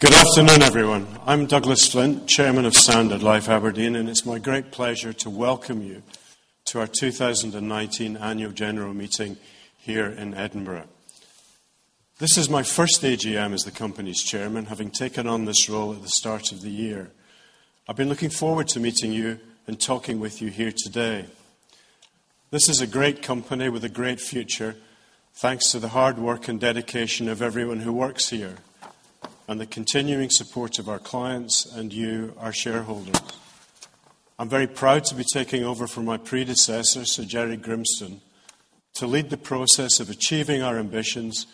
Good afternoon, everyone. I'm Douglas Flint, chairman of Standard Life Aberdeen, and it's my great pleasure to welcome you to our 2019 annual general meeting here in Edinburgh. This is my first AGM as the company's chairman, having taken on this role at the start of the year. I've been looking forward to meeting you and talking with you here today. This is a great company with a great future, thanks to the hard work and dedication of everyone who works here, and the continuing support of our clients and you, our shareholders. I'm very proud to be taking over from my predecessor, Sir Gerry Grimstone, to lead the process of achieving our ambitions,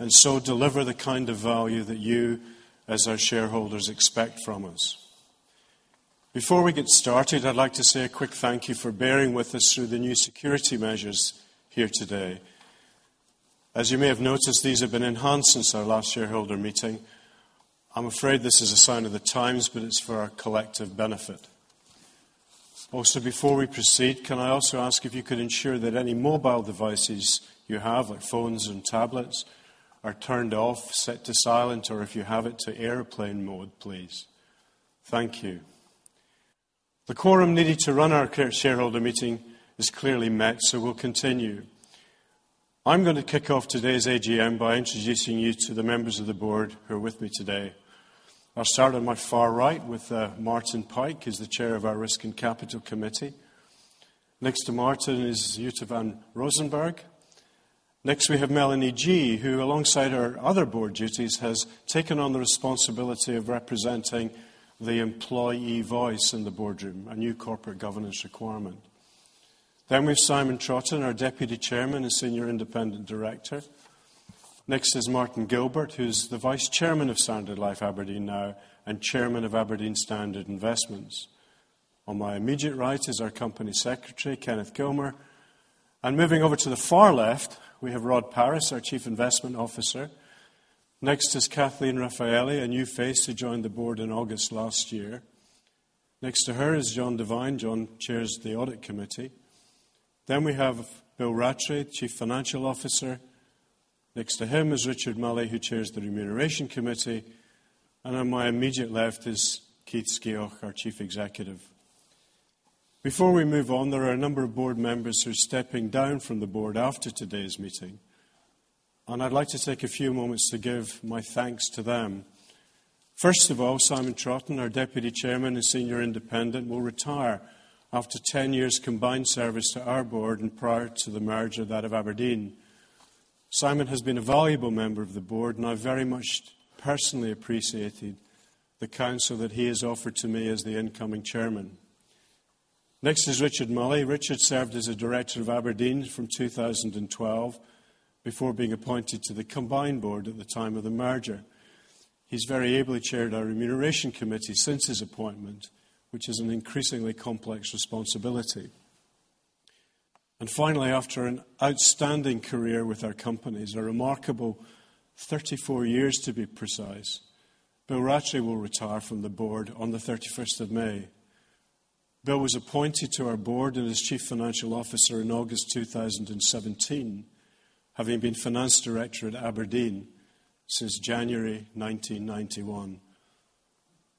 to deliver the kind of value that you, as our shareholders, expect from us. Before we get started, I'd like to say a quick thank you for bearing with us through the new security measures here today. As you may have noticed, these have been enhanced since our last shareholder meeting. I'm afraid this is a sign of the times, but it's for our collective benefit. Also, before we proceed, can I also ask if you could ensure that any mobile devices you have, like phones and tablets, are turned off, set to silent, or if you have it, to airplane mode, please. Thank you. The quorum needed to run our shareholder meeting is clearly met, we'll continue. I'm going to kick off today's AGM by introducing you to the members of the board who are with me today. I'll start on my far right with Martin Pike who's the chair of our Risk and Capital Committee. Next to Martin is Jutta af Rosenborg. Next, we have Melanie Gee, who alongside our other board duties, has taken on the responsibility of representing the employee voice in the boardroom, a new corporate governance requirement. We have Simon Troughton, our deputy chairman and senior independent director. Next is Martin Gilbert, who's the vice chairman of Standard Life Aberdeen now and chairman of Aberdeen Standard Investments. On my immediate right is our company secretary, Kenneth Gilmour. Moving over to the far left, we have Rod Paris, our chief investment officer. Next is Cathleen Raffaeli, a new face who joined the board in August last year. Next to her is John Devine. John chairs the audit committee. We have Bill Rattray, chief financial officer. Next to him is Richard Mulley, who chairs the Remuneration Committee. On my immediate left is Keith Skeoch, our chief executive. Before we move on, there are a number of board members who are stepping down from the board after today's meeting, I'd like to take a few moments to give my thanks to them. First of all, Simon Troughton, our deputy chairman and senior independent, will retire after 10 years combined service to our board and prior to the merger of that of Aberdeen. Simon has been a valuable member of the board, I very much personally appreciated the counsel that he has offered to me as the incoming chairman. Next is Richard Mulley. Richard served as a director of Aberdeen from 2012 before being appointed to the combined board at the time of the merger. He's very ably chaired our Remuneration Committee since his appointment, which is an increasingly complex responsibility. Finally, after an outstanding career with our companies, a remarkable 34 years to be precise, Bill Rattray will retire from the board on the 31st of May. Bill was appointed to our board and as Chief Financial Officer in August 2017, having been finance director at Aberdeen since January 1991.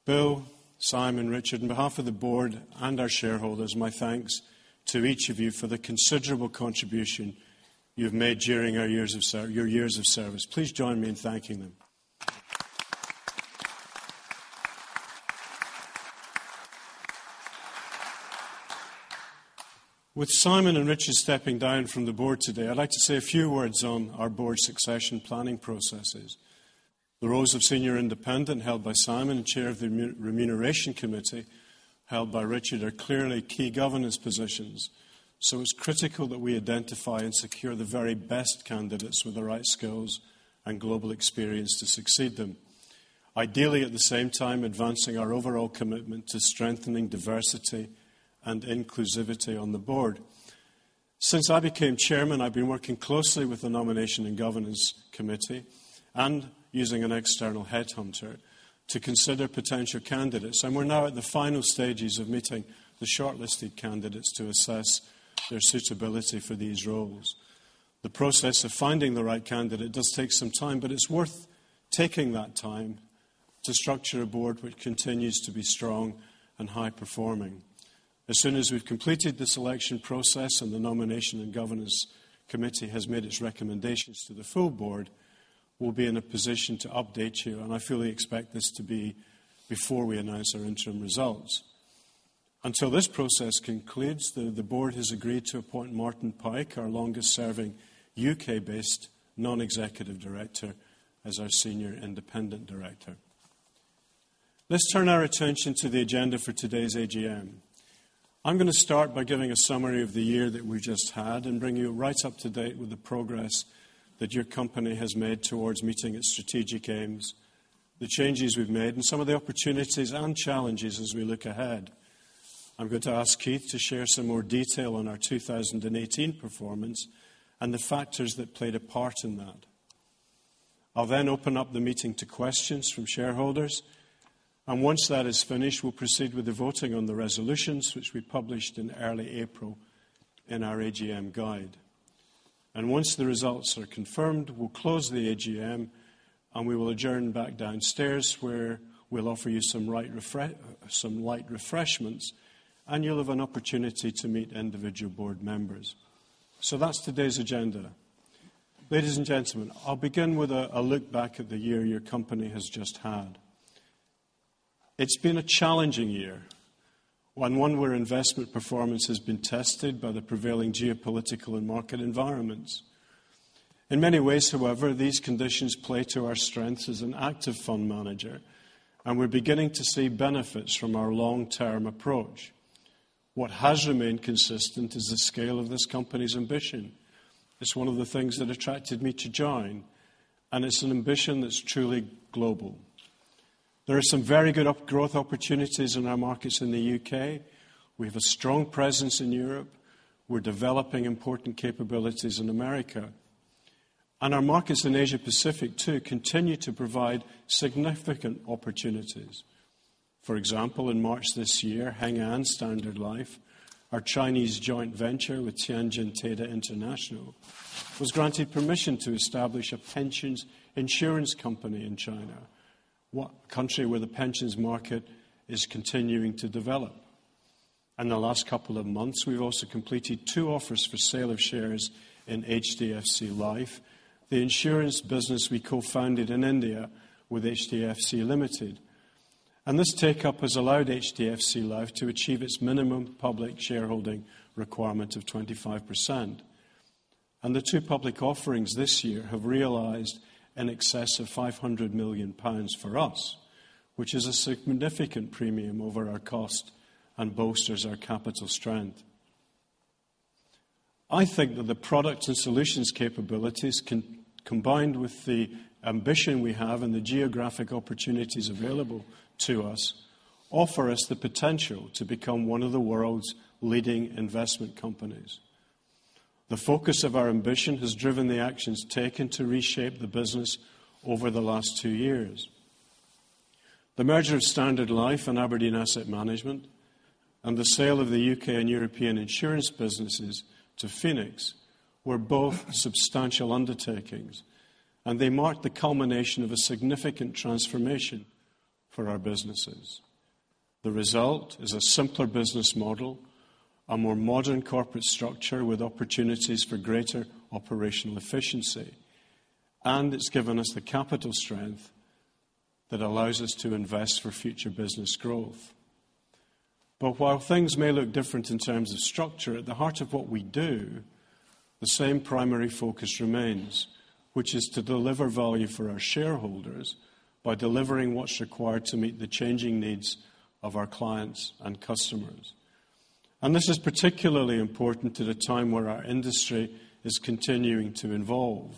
Bill, Simon, Richard, on behalf of the board and our shareholders, my thanks to each of you for the considerable contribution you've made during your years of service. Please join me in thanking them. With Simon and Richard stepping down from the board today, I'd like to say a few words on our board succession planning processes. The roles of senior independent, held by Simon, and chair of the Remuneration Committee, held by Richard, are clearly key governance positions. It is critical that we identify and secure the very best candidates with the right skills and global experience to succeed them. Ideally, at the same time, advancing our overall commitment to strengthening diversity and inclusivity on the board. Since I became chairman, I've been working closely with the Nomination and Governance Committee and using an external headhunter to consider potential candidates, and we are now at the final stages of meeting the shortlisted candidates to assess their suitability for these roles. The process of finding the right candidate does take some time, but it is worth taking that time to structure a board which continues to be strong and high-performing. As soon as we have completed the selection process and the Nomination and Governance Committee has made its recommendations to the full board, we will be in a position to update you, and I fully expect this to be before we announce our interim results. Until this process concludes, the board has agreed to appoint Martin Pike, our longest-serving U.K.-based non-executive director, as our senior independent director. Let us turn our attention to the agenda for today's AGM. I am gonna start by giving a summary of the year that we just had and bring you right up to date with the progress that your company has made towards meeting its strategic aims, the changes we have made, and some of the opportunities and challenges as we look ahead. I am going to ask Keith to share some more detail on our 2018 performance and the factors that played a part in that. I'll open up the meeting to questions from shareholders. Once that is finished, we will proceed with the voting on the resolutions, which we published in early April in our AGM guide. Once the results are confirmed, we will close the AGM, and we will adjourn back downstairs, where we will offer you some light refreshments, and you will have an opportunity to meet individual board members. So that is today's agenda. Ladies and gentlemen, I'll begin with a look back at the year your company has just had. It has been a challenging year, one where investment performance has been tested by the prevailing geopolitical and market environments. In many ways, however, these conditions play to our strengths as an active fund manager, and we are beginning to see benefits from our long-term approach. What has remained consistent is the scale of this company's ambition. It's one of the things that attracted me to join, and it's an ambition that's truly global. There are some very good growth opportunities in our markets in the U.K. We have a strong presence in Europe. We're developing important capabilities in America. Our markets in Asia Pacific too continue to provide significant opportunities. For example, in March this year, Heng An Standard Life, our Chinese joint venture with Tianjin TEDA International, was granted permission to establish a pensions insurance company in China, a country where the pensions market is continuing to develop. In the last couple of months, we've also completed two offers for sale of shares in HDFC Life, the insurance business we co-founded in India with HDFC Limited. This take-up has allowed HDFC Life to achieve its minimum public shareholding requirement of 25%. The two public offerings this year have realized in excess of 500 million pounds for us, which is a significant premium over our cost and bolsters our capital strength. I think that the product and solutions capabilities, combined with the ambition we have and the geographic opportunities available to us, offer us the potential to become one of the world's leading investment companies. The focus of our ambition has driven the actions taken to reshape the business over the last two years. The merger of Standard Life and Aberdeen Asset Management, and the sale of the U.K. and European insurance businesses to Phoenix Group were both substantial undertakings. They marked the culmination of a significant transformation for our businesses. The result is a simpler business model, a more modern corporate structure with opportunities for greater operational efficiency. It's given us the capital strength that allows us to invest for future business growth. While things may look different in terms of structure, at the heart of what we do, the same primary focus remains, which is to deliver value for our shareholders by delivering what's required to meet the changing needs of our clients and customers. This is particularly important at a time where our industry is continuing to evolve.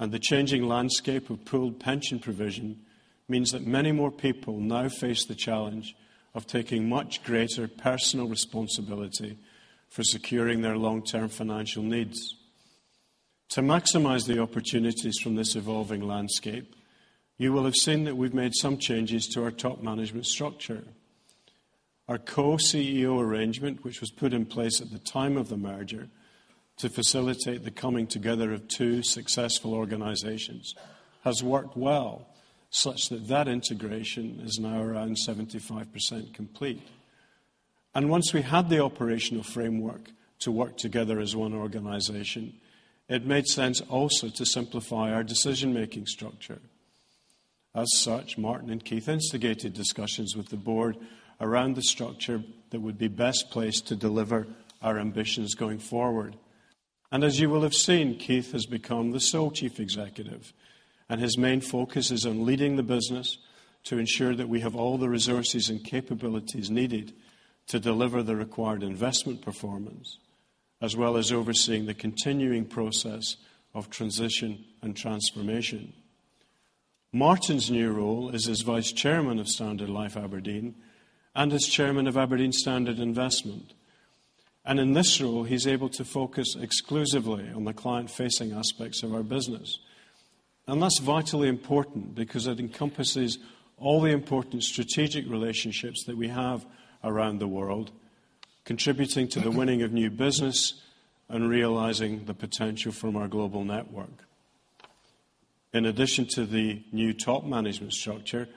The changing landscape of pooled pension provision means that many more people now face the challenge of taking much greater personal responsibility for securing their long-term financial needs. To maximize the opportunities from this evolving landscape, you will have seen that we've made some changes to our top management structure. Our co-CEO arrangement, which was put in place at the time of the merger to facilitate the coming together of two successful organizations, has worked well, such that that integration is now around 75% complete. Once we had the operational framework to work together as one organization, it made sense also to simplify our decision-making structure. As such, Martin Gilbert and Keith Skeoch instigated discussions with the board around the structure that would be best placed to deliver our ambitions going forward. As you will have seen, Keith Skeoch has become the sole Chief Executive, and his main focus is on leading the business to ensure that we have all the resources and capabilities needed to deliver the required investment performance, as well as overseeing the continuing process of transition and transformation. Martin Gilbert's new role is as Vice Chairman of Standard Life Aberdeen and as Chairman of Aberdeen Standard Investments. In this role, he's able to focus exclusively on the client-facing aspects of our business. That's vitally important because it encompasses all the important strategic relationships that we have around the world, contributing to the winning of new business and realizing the potential from our global network. In addition to the new top management structure,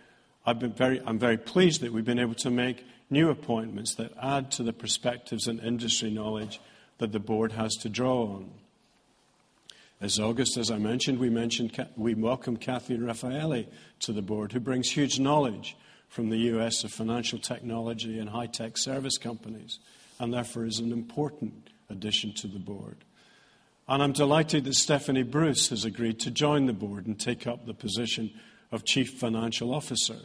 I'm very pleased that we've been able to make new appointments that add to the perspectives and industry knowledge that the board has to draw on. This August, as I mentioned, we welcomed Cathleen Raffaeli to the board, who brings huge knowledge from the U.S. of financial technology and high-tech service companies, and therefore is an important addition to the board. I'm delighted that Stephanie Bruce has agreed to join the board and take up the position of Chief Financial Officer.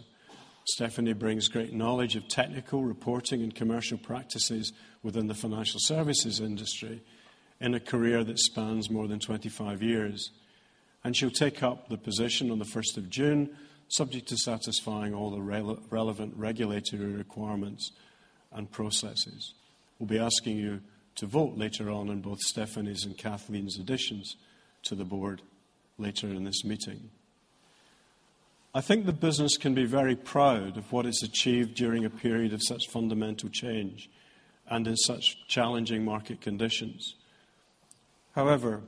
Stephanie brings great knowledge of technical reporting and commercial practices within the financial services industry in a career that spans more than 25 years. She'll take up the position on the 1st of June, subject to satisfying all the relevant regulatory requirements and processes. We'll be asking you to vote later on in both Stephanie's and Cathleen's additions to the board. Later in this meeting. I think the business can be very proud of what it's achieved during a period of such fundamental change and in such challenging market conditions. However,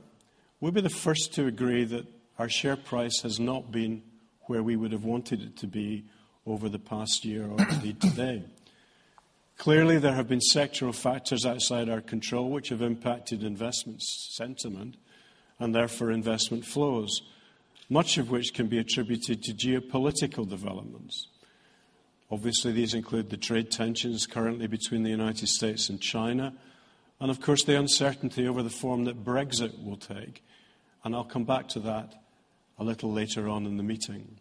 we'll be the first to agree that our share price has not been where we would have wanted it to be over the past year or indeed today. Clearly, there have been sectoral factors outside our control which have impacted investment sentiment and therefore investment flows, much of which can be attributed to geopolitical developments. Obviously, these include the trade tensions currently between the U.S. and China, and of course, the uncertainty over the form that Brexit will take. I'll come back to that a little later on in the meeting.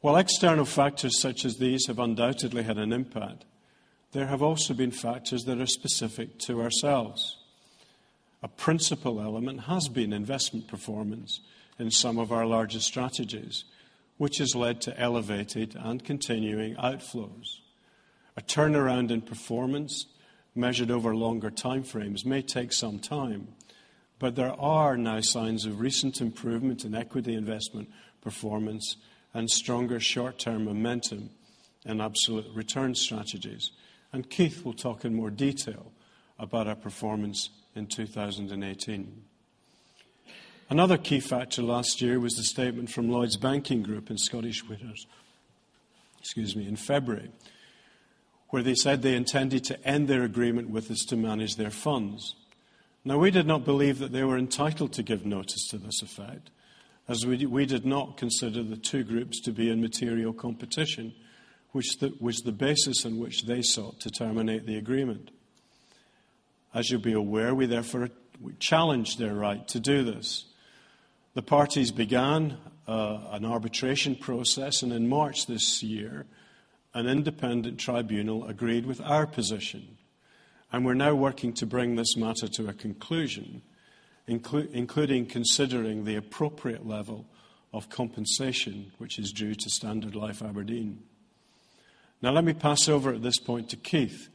While external factors such as these have undoubtedly had an impact, there have also been factors that are specific to ourselves. A principal element has been investment performance in some of our largest strategies, which has led to elevated and continuing outflows. A turnaround in performance measured over longer time frames may take some time, but there are now signs of recent improvement in equity investment performance and stronger short-term momentum in absolute return strategies. Keith will talk in more detail about our performance in 2018. Another key factor last year was the statement from Lloyds Banking Group in Scottish Widows-- excuse me, in February, where they said they intended to end their agreement with us to manage their funds. Now, we did not believe that they were entitled to give notice to this effect as we did not consider the two groups to be in material competition, which the basis on which they sought to terminate the agreement. As you'll be aware, we therefore challenged their right to do this. The parties began an arbitration process, in March this year, an independent tribunal agreed with our position, and we're now working to bring this matter to a conclusion, including considering the appropriate level of compensation which is due to Standard Life Aberdeen. Now, let me pass over at this point to Keith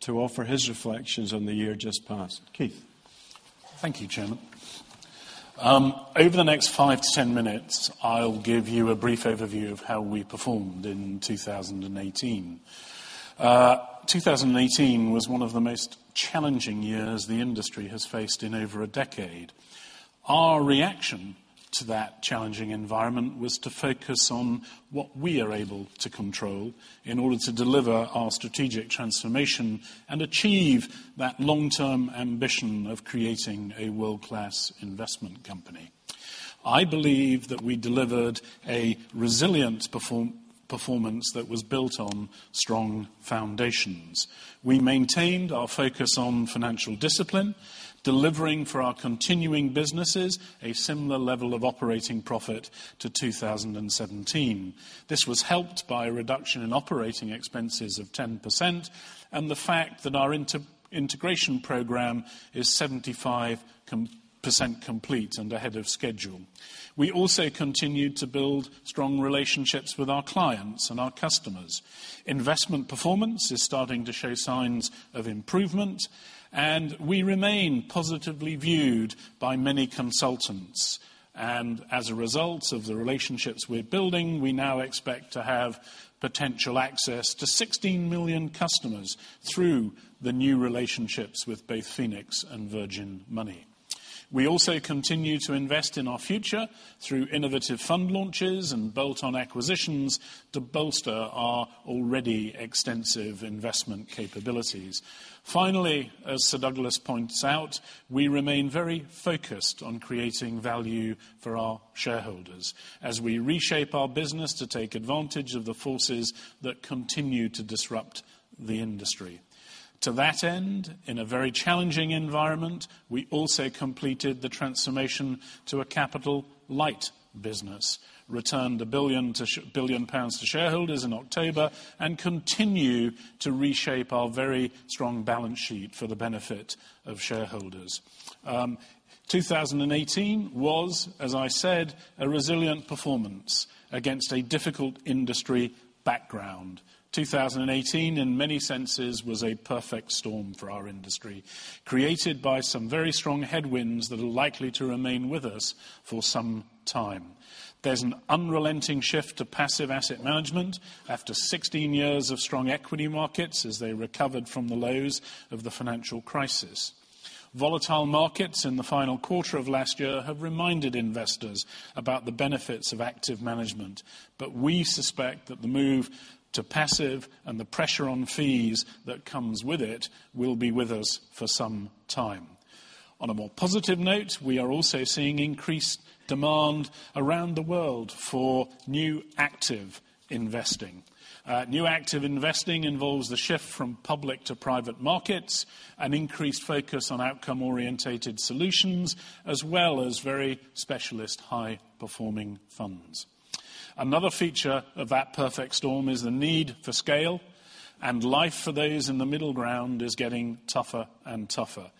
to offer his reflections on the year just past. Keith. Thank you, Chairman. Over the next five to ten minutes, I'll give you a brief overview of how we performed in 2018. 2018 was one of the most challenging years the industry has faced in over a decade. Our reaction to that challenging environment was to focus on what we are able to control in order to deliver our strategic transformation and achieve that long-term ambition of creating a world-class investment company. I believe that we delivered a resilient performance that was built on strong foundations. We maintained our focus on financial discipline, delivering for our continuing businesses a similar level of operating profit to 2017. This was helped by a reduction in operating expenses of 10% and the fact that our integration program is 75% complete and ahead of schedule. We also continued to build strong relationships with our clients and our customers. Investment performance is starting to show signs of improvement. We remain positively viewed by many consultants. As a result of the relationships we're building, we now expect to have potential access to 16 million customers through the new relationships with both Phoenix and Virgin Money. We also continue to invest in our future through innovative fund launches and bolt-on acquisitions to bolster our already extensive investment capabilities. Finally, as Sir Douglas points out, we remain very focused on creating value for our shareholders as we reshape our business to take advantage of the forces that continue to disrupt the industry. To that end, in a very challenging environment, we also completed the transformation to a capital light business, returned 1 billion pounds to shareholders in October. We continue to reshape our very strong balance sheet for the benefit of shareholders. 2018 was, as I said, a resilient performance against a difficult industry background. 2018, in many senses, was a perfect storm for our industry, created by some very strong headwinds that are likely to remain with us for some time. There's an unrelenting shift to passive asset management after 16 years of strong equity markets as they recovered from the lows of the financial crisis. Volatile markets in the final quarter of last year have reminded investors about the benefits of active management. We suspect that the move to passive and the pressure on fees that comes with it will be with us for some time. On a more positive note, we are also seeing increased demand around the world for new active investing. New active investing involves the shift from public to private markets, an increased focus on outcome-orientated solutions, as well as very specialist high-performing funds. Another feature of that perfect storm is the need for scale. Life for those in the middle ground is getting tougher and tougher.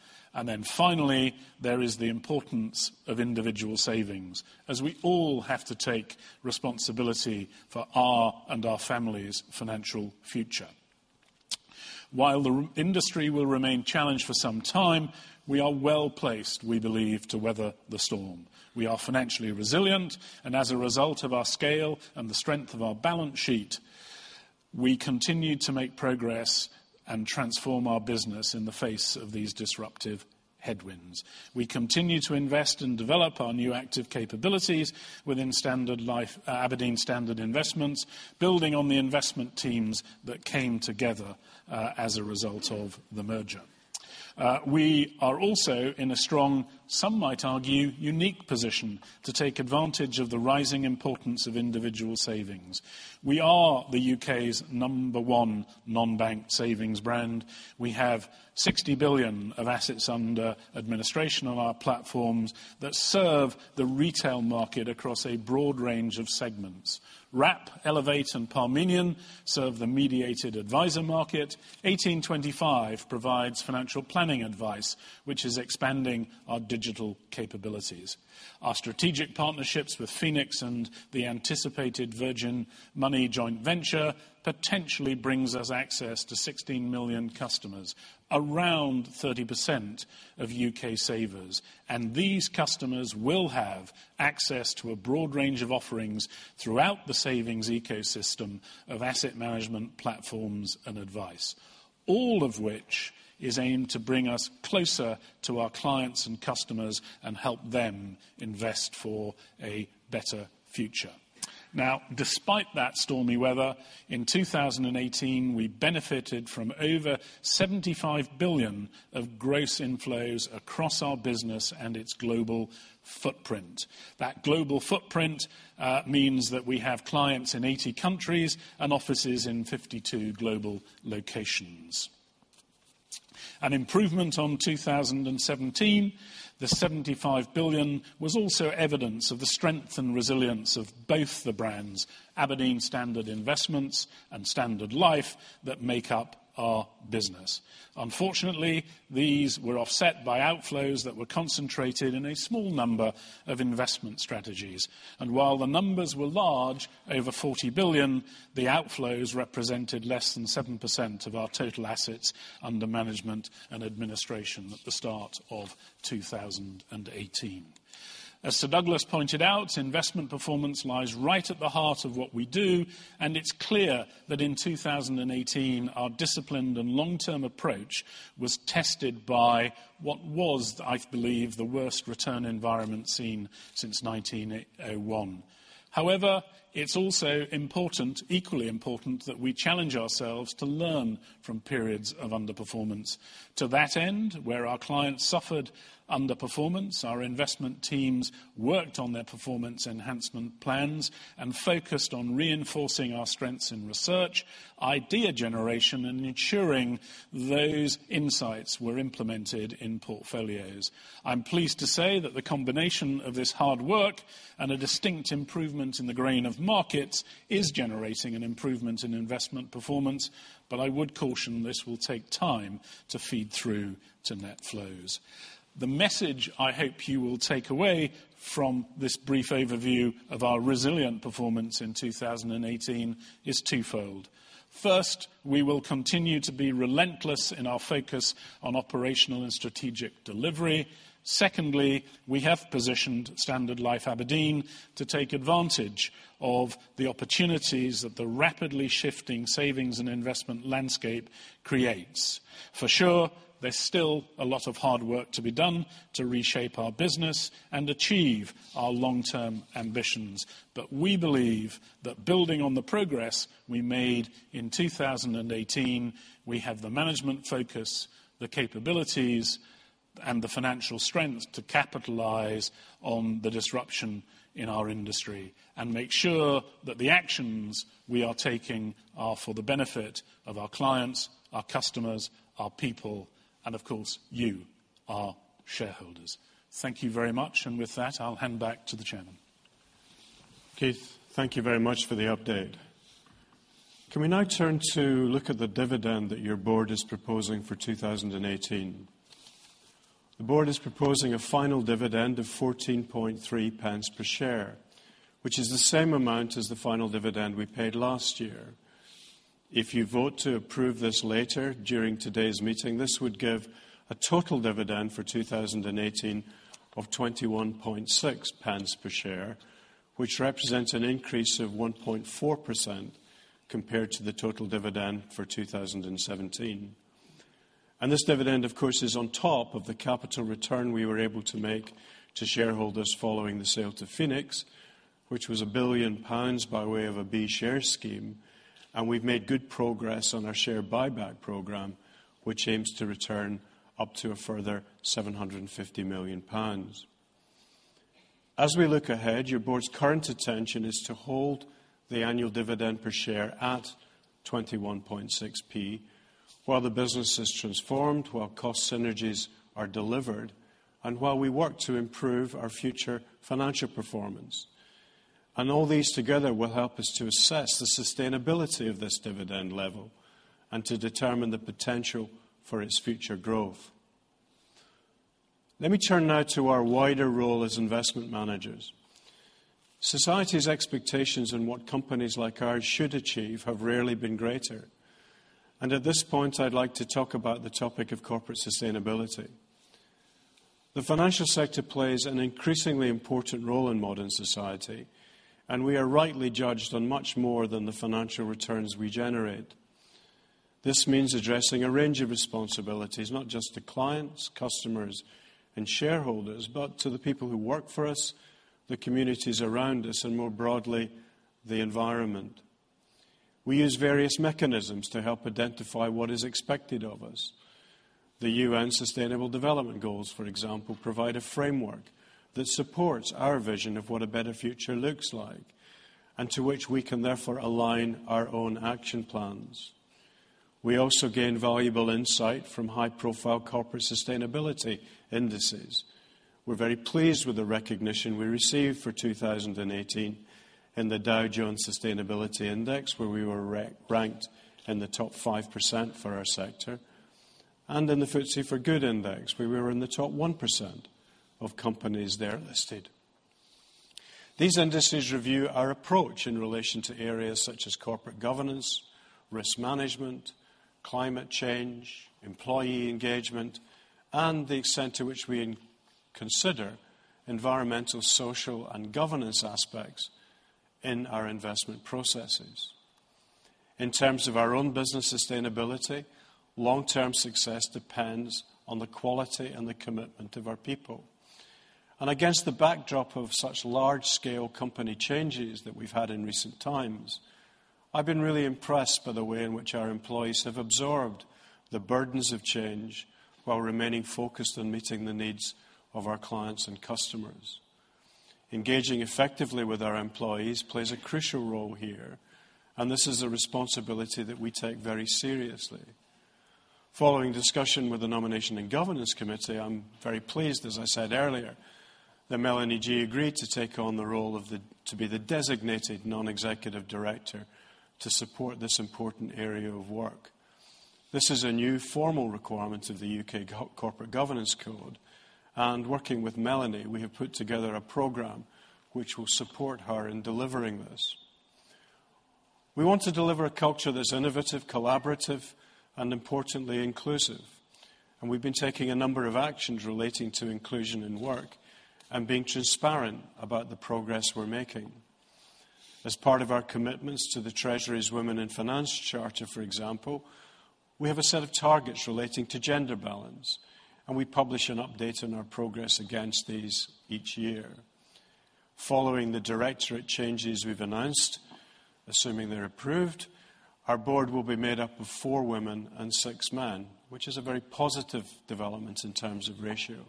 Finally, there is the importance of individual savings as we all have to take responsibility for our and our family's financial future. While the industry will remain challenged for some time, we are well-placed, we believe, to weather the storm. We are financially resilient. As a result of our scale and the strength of our balance sheet, we continue to make progress and transform our business in the face of these disruptive headwinds. We continue to invest and develop our new active capabilities within Aberdeen Standard Investments, building on the investment teams that came together as a result of the merger. We are also in a strong, some might argue, unique position to take advantage of the rising importance of individual savings. We are the U.K.'s number one non-bank savings brand. We have 60 billion of assets under administration on our platforms that serve the retail market across a broad range of segments. Wrap, Elevate, and Parmenion serve the mediated advisor market. 1825 provides financial planning advice, which is expanding our digital capabilities. Our strategic partnerships with Phoenix and the anticipated Virgin Money joint venture potentially brings us access to 16 million customers, around 30% of U.K. savers. These customers will have access to a broad range of offerings throughout the savings ecosystem of asset management platforms and advice. All of which is aimed to bring us closer to our clients and customers and help them invest for a better future. Now, despite that stormy weather, in 2018, we benefited from over 75 billion of gross inflows across our business and its global footprint. That global footprint means that we have clients in 80 countries and offices in 52 global locations. An improvement on 2017, the 75 billion was also evidence of the strength and resilience of both the brands, Aberdeen Standard Investments and Standard Life, that make up our business. Unfortunately, these were offset by outflows that were concentrated in a small number of investment strategies. While the numbers were large, over 40 billion, the outflows represented less than 7% of our total assets under management and administration at the start of 2018. As Sir Douglas pointed out, investment performance lies right at the heart of what we do, and it's clear that in 2018, our disciplined and long-term approach was tested by what was, I believe, the worst return environment seen since 1901. However, it's also equally important that we challenge ourselves to learn from periods of underperformance. To that end, where our clients suffered underperformance, our investment teams worked on their performance enhancement plans and focused on reinforcing our strengths in research, idea generation, and ensuring those insights were implemented in portfolios. I'm pleased to say that the combination of this hard work and a distinct improvement in the grain of markets is generating an improvement in investment performance. But I would caution this will take time to feed through to net flows. The message I hope you will take away from this brief overview of our resilient performance in 2018 is twofold. First, we will continue to be relentless in our focus on operational and strategic delivery. Secondly, we have positioned Standard Life Aberdeen to take advantage of the opportunities that the rapidly shifting savings and investment landscape creates. For sure, there's still a lot of hard work to be done to reshape our business and achieve our long-term ambitions. But we believe that building on the progress we made in 2018, we have the management focus, the capabilities, and the financial strength to capitalize on the disruption in our industry, and make sure that the actions we are taking are for the benefit of our clients, our customers, our people, and of course, you, our shareholders. Thank you very much. With that, I'll hand back to the chairman. Keith, thank you very much for the update. Can we now turn to look at the dividend that your board is proposing for 2018? The board is proposing a final dividend of 0.143 pounds per share, which is the same amount as the final dividend we paid last year. If you vote to approve this later during today's meeting, this would give a total dividend for 2018 of 0.216 pounds per share, which represents an increase of 1.4% compared to the total dividend for 2017. This dividend, of course, is on top of the capital return we were able to make to shareholders following the sale to Phoenix, which was 1 billion pounds by way of a B share scheme. We've made good progress on our share buyback program, which aims to return up to a further 750 million pounds. As we look ahead, your board's current attention is to hold the annual dividend per share at 0.216 while the business is transformed, while cost synergies are delivered, and while we work to improve our future financial performance. All these together will help us to assess the sustainability of this dividend level and to determine the potential for its future growth. Let me turn now to our wider role as investment managers. Society's expectations on what companies like ours should achieve have rarely been greater. At this point, I'd like to talk about the topic of corporate sustainability. The financial sector plays an increasingly important role in modern society, and we are rightly judged on much more than the financial returns we generate. This means addressing a range of responsibilities, not just to clients, customers, and shareholders, but to the people who work for us, the communities around us, and more broadly, the environment. We use various mechanisms to help identify what is expected of us. The UN Sustainable Development Goals, for example, provide a framework that supports our vision of what a better future looks like, and to which we can therefore align our own action plans. We also gain valuable insight from high-profile corporate sustainability indices. We're very pleased with the recognition we received for 2018 in the Dow Jones Sustainability Index, where we were ranked in the top 5% for our sector, and in the FTSE4Good Index, where we were in the top 1% of companies there listed. These indices review our approach in relation to areas such as corporate governance, risk management, climate change, employee engagement, and the extent to which we consider environmental, social, and governance aspects in our investment processes. In terms of our own business sustainability, long-term success depends on the quality and the commitment of our people. Against the backdrop of such large-scale company changes that we've had in recent times, I've been really impressed by the way in which our employees have absorbed the burdens of change while remaining focused on meeting the needs of our clients and customers. Engaging effectively with our employees plays a crucial role here, and this is a responsibility that we take very seriously. Following discussion with the Nomination and Governance Committee, I'm very pleased, as I said earlier, that Melanie Gee agreed to take on the role to be the Designated Non-Executive Director to support this important area of work. This is a new formal requirement of the U.K. Corporate Governance Code, working with Melanie, we have put together a program which will support her in delivering this. We want to deliver a culture that's innovative, collaborative, and importantly, inclusive. We've been taking a number of actions relating to inclusion in work and being transparent about the progress we're making. As part of our commitments to the Treasury's Women in Finance Charter, for example, we have a set of targets relating to gender balance, and we publish an update on our progress against these each year. Following the directorate changes we've announced, assuming they're approved, our board will be made up of four women and six men, which is a very positive development in terms of ratio.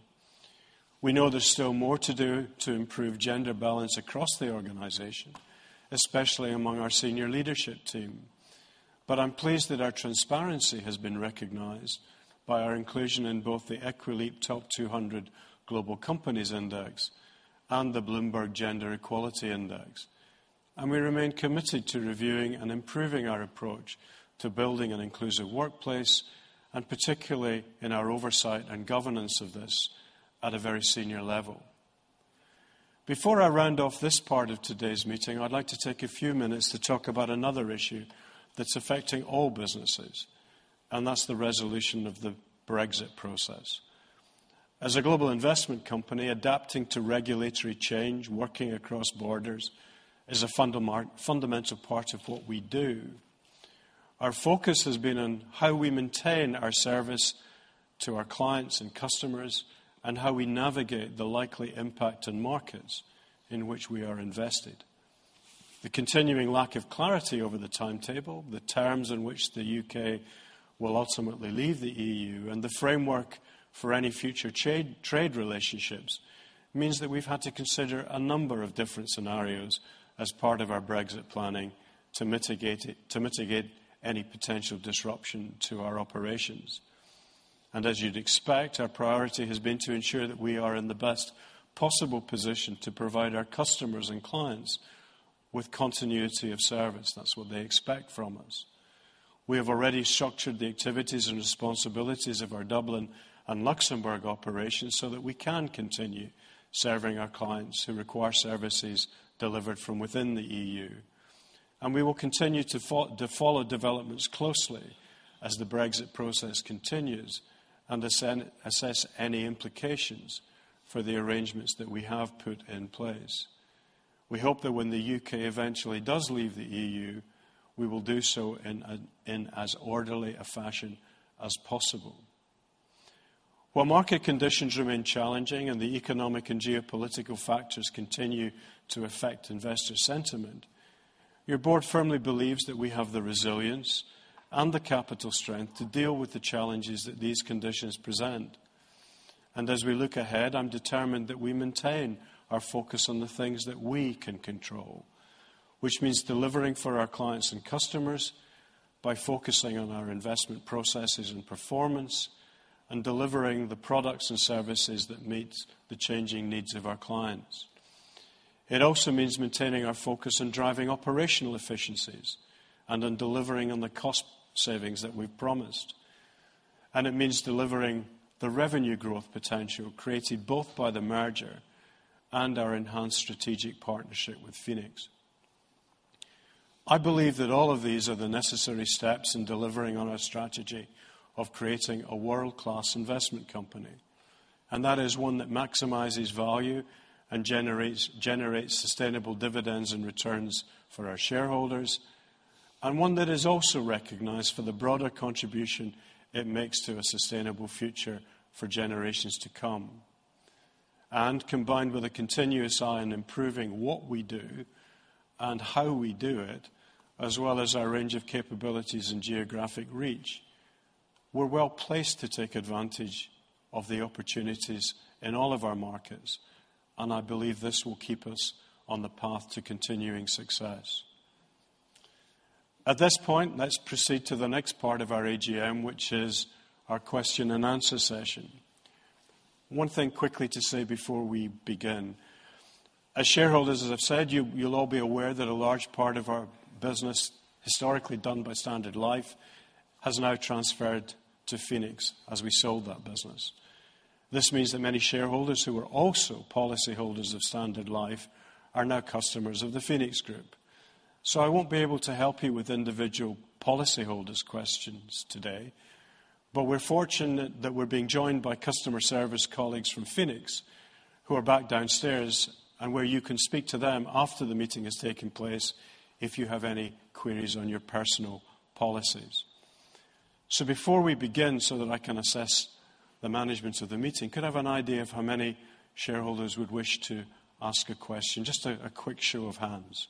We know there's still more to do to improve gender balance across the organization, especially among our senior leadership team. I'm pleased that our transparency has been recognized by our inclusion in both the Equileap Top 200 Global Companies Index and the Bloomberg Gender-Equality Index. We remain committed to reviewing and improving our approach to building an inclusive workplace, and particularly in our oversight and governance of this at a very senior level. Before I round off this part of today's meeting, I'd like to take a few minutes to talk about another issue that's affecting all businesses, and that's the resolution of the Brexit process. As a global investment company, adapting to regulatory change, working across borders, is a fundamental part of what we do. Our focus has been on how we maintain our service to our clients and customers, and how we navigate the likely impact on markets in which we are invested. The continuing lack of clarity over the timetable, the terms in which the U.K. will ultimately leave the EU, and the framework for any future trade relationships means that we've had to consider a number of different scenarios as part of our Brexit planning to mitigate any potential disruption to our operations. As you'd expect, our priority has been to ensure that we are in the best possible position to provide our customers and clients with continuity of service. That's what they expect from us. We have already structured the activities and responsibilities of our Dublin and Luxembourg operations so that we can continue serving our clients who require services delivered from within the EU. We will continue to follow developments closely as the Brexit process continues and assess any implications for the arrangements that we have put in place. We hope that when the U.K. eventually does leave the EU, we will do so in as orderly a fashion as possible. While market conditions remain challenging and the economic and geopolitical factors continue to affect investor sentiment, your Board firmly believes that we have the resilience and the capital strength to deal with the challenges that these conditions present. As we look ahead, I'm determined that we maintain our focus on the things that we can control, which means delivering for our clients and customers by focusing on our investment processes and performance and delivering the products and services that meet the changing needs of our clients. It also means maintaining our focus on driving operational efficiencies and on delivering on the cost savings that we've promised. It means delivering the revenue growth potential created both by the merger and our enhanced strategic partnership with Phoenix. I believe that all of these are the necessary steps in delivering on our strategy of creating a world-class investment company, and that is one that maximizes value and generates sustainable dividends and returns for our shareholders, and one that is also recognized for the broader contribution it makes to a sustainable future for generations to come. Combined with a continuous eye on improving what we do and how we do it, as well as our range of capabilities and geographic reach, we're well-placed to take advantage of the opportunities in all of our markets. I believe this will keep us on the path to continuing success. At this point, let's proceed to the next part of our AGM, which is our question and answer session. One thing quickly to say before we begin. As shareholders, as I've said, you'll all be aware that a large part of our business historically done by Standard Life has now transferred to Phoenix as we sold that business. This means that many shareholders who are also policyholders of Standard Life are now customers of the Phoenix Group. I won't be able to help you with individual policyholders questions today, but we're fortunate that we're being joined by customer service colleagues from Phoenix, who are back downstairs and where you can speak to them after the meeting has taken place if you have any queries on your personal policies. Before we begin, so that I can assess the management of the meeting, could I have an idea of how many shareholders would wish to ask a question? Just a quick show of hands.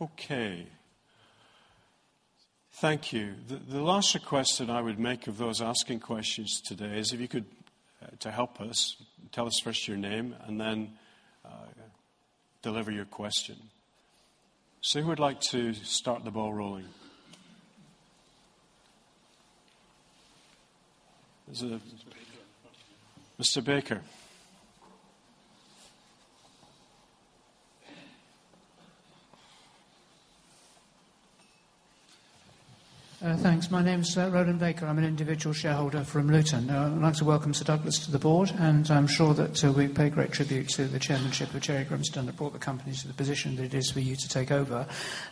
Okay. Thank you. The last request that I would make of those asking questions today is if you could, to help us, tell us first your name and then deliver your question. Who would like to start the ball rolling? Mr. Baker. Mr. Baker. Thanks. My name's Roland Baker. I'm an individual shareholder from Luton. I'd like to welcome Sir Douglas to the board. I'm sure that we pay great tribute to the chairmanship of Gerry Grimstone that brought the company to the position that it is for you to take over.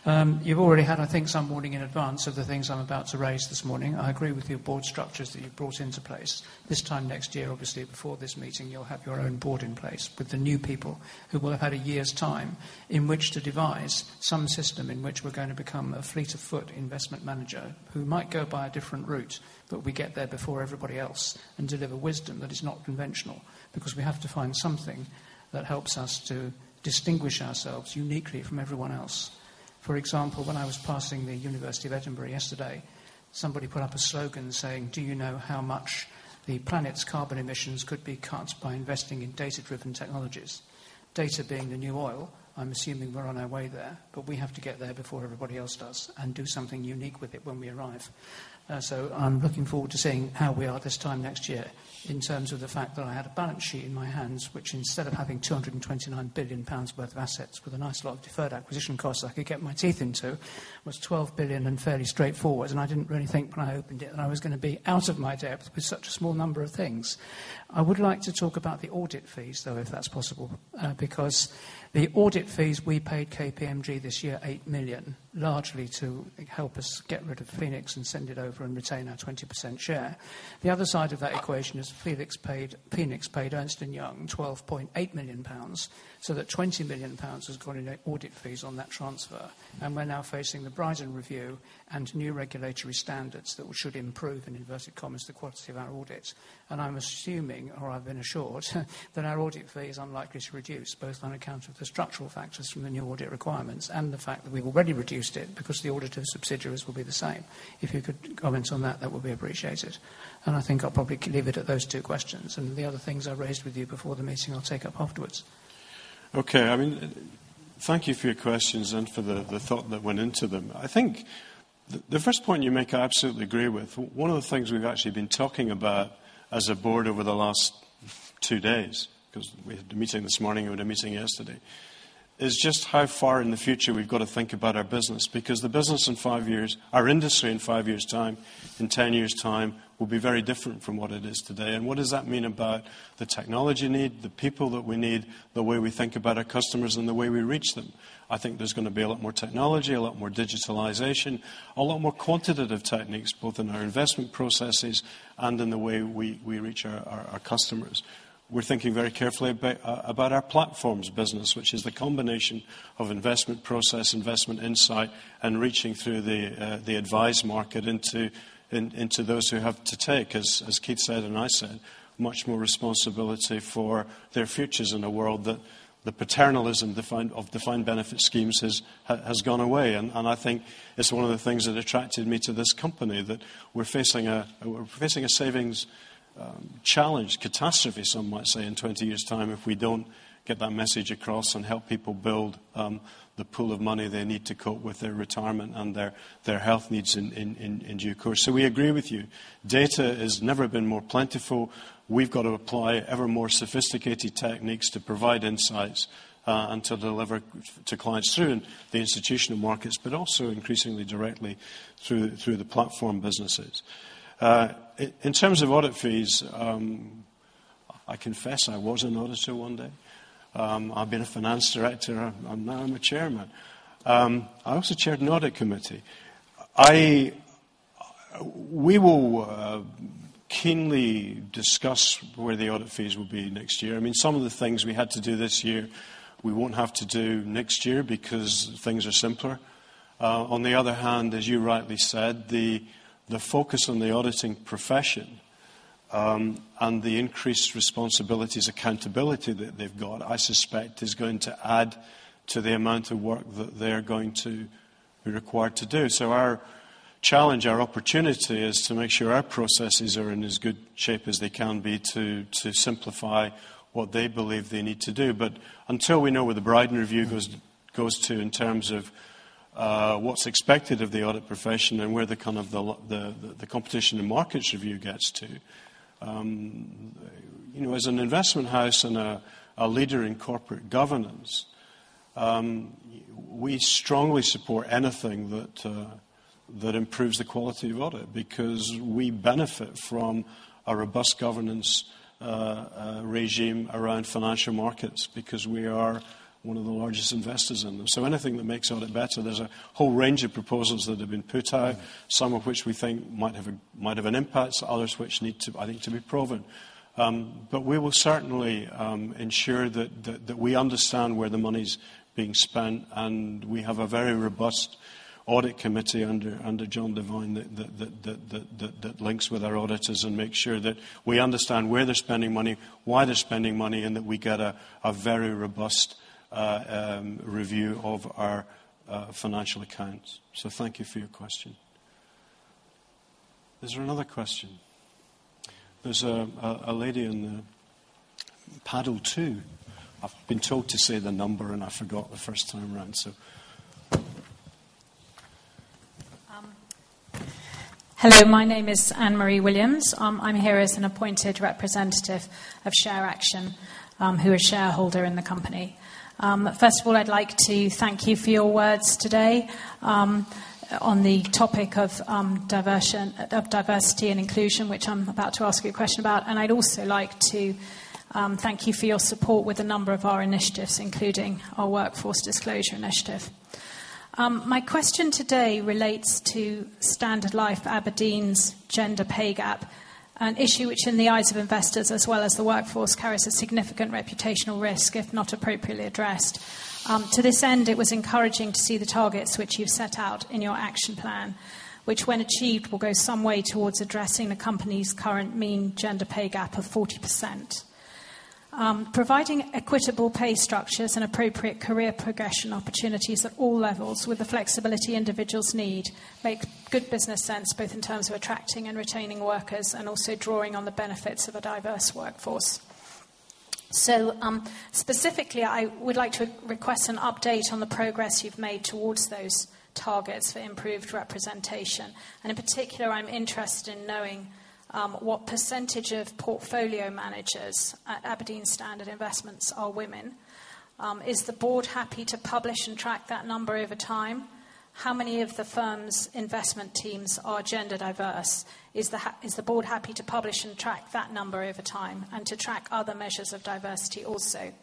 You've already had, I think, some warning in advance of the things I'm about to raise this morning. I agree with your board structures that you've brought into place. This time next year, obviously, before this meeting, you'll have your own board in place with the new people who will have had a year's time in which to devise some system in which we're gonna become a fleet-of-foot investment manager who might go by a different route. We get there before everybody else and deliver wisdom that is not conventional, because we have to find something that helps us to distinguish ourselves uniquely from everyone else. For example, when I was passing the University of Edinburgh yesterday, somebody put up a slogan saying, "Do you know how much the planet's carbon emissions could be cut by investing in data-driven technologies?" Data being the new oil, I'm assuming we're on our way there. We have to get there before everybody else does and do something unique with it when we arrive. I'm looking forward to seeing how we are this time next year in terms of the fact that I had a balance sheet in my hands which, instead of having 229 billion pounds worth of assets with a nice lot of deferred acquisition costs I could get my teeth into, was 12 billion and fairly straightforward. I didn't really think when I opened it that I was gonna be out of my depth with such a small number of things. I would like to talk about the audit fees, though, if that's possible. The audit fees we paid KPMG this year, 8 million, largely to help us get rid of Phoenix and send it over and retain our 20% share. The other side of that equation is Phoenix paid Ernst & Young 12.8 million pounds. That 20 million pounds has gone in audit fees on that transfer. We're now facing the Brydon Review and new regulatory standards that should improve, in inverted commas, the quality of our audits. I'm assuming, or I've been assured that our audit fee is unlikely to reduce, both on account of the structural factors from the new audit requirements and the fact that we've already reduced it because the audit of subsidiaries will be the same. If you could comment on that would be appreciated. I think I'll probably leave it at those two questions. The other things I raised with you before the meeting, I'll take up afterwards. Okay. Thank you for your questions and for the thought that went into them. I think the first point you make, I absolutely agree with. One of the things we've actually been talking about as a board over the last two days, because we had the meeting this morning and we had a meeting yesterday, is just how far in the future we've got to think about our business. Because the business in five years our industry in five years' time, in 10 years' time, will be very different from what it is today. What does that mean about the technology need, the people that we need, the way we think about our customers, and the way we reach them? I think there's gonna be a lot more technology, a lot more digitalization, a lot more quantitative techniques, both in our investment processes and in the way we reach our customers. We're thinking very carefully about our platforms business, which is the combination of investment process, investment insight, and reaching through the advise market into those who have to take, as Keith said and I said, much more responsibility for their futures in a world that the paternalism of defined benefit schemes has gone away. I think it's one of the things that attracted me to this company, that we're facing a savings challenge, catastrophe some might say, in 20 years' time if we don't get that message across and help people build the pool of money they need to cope with their retirement and their health needs in due course. We agree with you. Data has never been more plentiful. We've got to apply ever more sophisticated techniques to provide insights, and to deliver to clients through the institutional markets, but also increasingly directly through the platform businesses. In terms of audit fees. I confess I was an auditor one day. I've been a finance director, now I'm a chairman. I also chaired an audit committee. We will keenly discuss where the audit fees will be next year. Some of the things we had to do this year, we won't have to do next year because things are simpler. On the other hand, as you rightly said, the focus on the auditing profession, and the increased responsibilities, accountability that they've got, I suspect, is going to add to the amount of work that they're going to be required to do. Our challenge, our opportunity, is to make sure our processes are in as good shape as they can be to simplify what they believe they need to do. Until we know where the Brydon Review goes to in terms of what's expected of the audit profession and where the competition and markets review gets to. As an investment house and a leader in corporate governance, we strongly support anything that improves the quality of audit because we benefit from a robust governance regime around financial markets because we are one of the largest investors in them. Anything that makes audit better, there's a whole range of proposals that have been put out, some of which we think might have an impact, others which need, I think, to be proven. We will certainly ensure that we understand where the money's being spent, and we have a very robust Audit Committee under John Devine that links with our auditors and makes sure that we understand where they're spending money, why they're spending money, and that we get a very robust review of our financial accounts. Thank you for your question. Is there another question? There's a lady in the paddle two. I've been told to say the number and I forgot the first time around. Hello, my name is Anne-Marie Williams. I'm here as an appointed representative of ShareAction, who are a shareholder in the company. First of all, I'd like to thank you for your words today on the topic of diversity and inclusion, which I'm about to ask you a question about. I'd also like to thank you for your support with a number of our initiatives, including our Workforce Disclosure Initiative. My question today relates to Standard Life Aberdeen's gender pay gap, an issue which in the eyes of investors as well as the workforce carries a significant reputational risk if not appropriately addressed. To this end, it was encouraging to see the targets which you've set out in your action plan, which when achieved, will go some way towards addressing the company's current mean gender pay gap of 40%. Providing equitable pay structures and appropriate career progression opportunities at all levels with the flexibility individuals need makes good business sense, both in terms of attracting and retaining workers, and also drawing on the benefits of a diverse workforce. Specifically, I would like to request an update on the progress you've made towards those targets for improved representation. In particular, I'm interested in knowing what percentage of portfolio managers at Aberdeen Standard Investments are women. Is the board happy to publish and track that number over time? How many of the firm's investment teams are gender diverse? Is the board happy to publish and track that number over time and to track other measures of diversity also?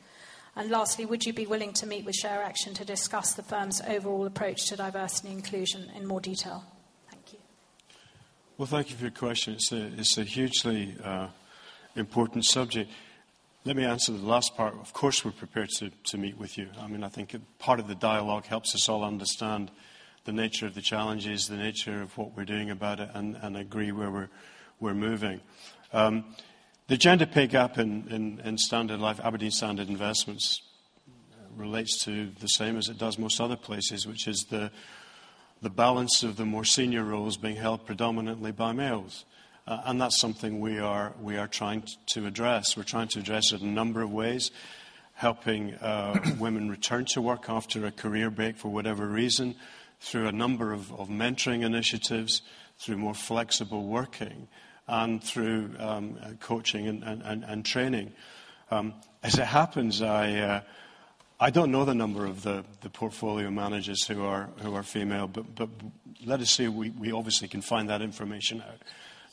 Lastly, would you be willing to meet with ShareAction to discuss the firm's overall approach to diversity and inclusion in more detail? Thank you. Thank you for your question. It's a hugely important subject. Let me answer the last part. Of course, we're prepared to meet with you. I think part of the dialogue helps us all understand the nature of the challenges, the nature of what we're doing about it, and agree where we're moving. The gender pay gap in Aberdeen Standard Investments relates to the same as it does most other places, which is the balance of the more senior roles being held predominantly by males. That's something we are trying to address. We're trying to address it in a number of ways, helping women return to work after a career break for whatever reason, through a number of mentoring initiatives, through more flexible working, and through coaching and training. As it happens, I don't know the number of the portfolio managers who are female, but let us say we obviously can find that information out.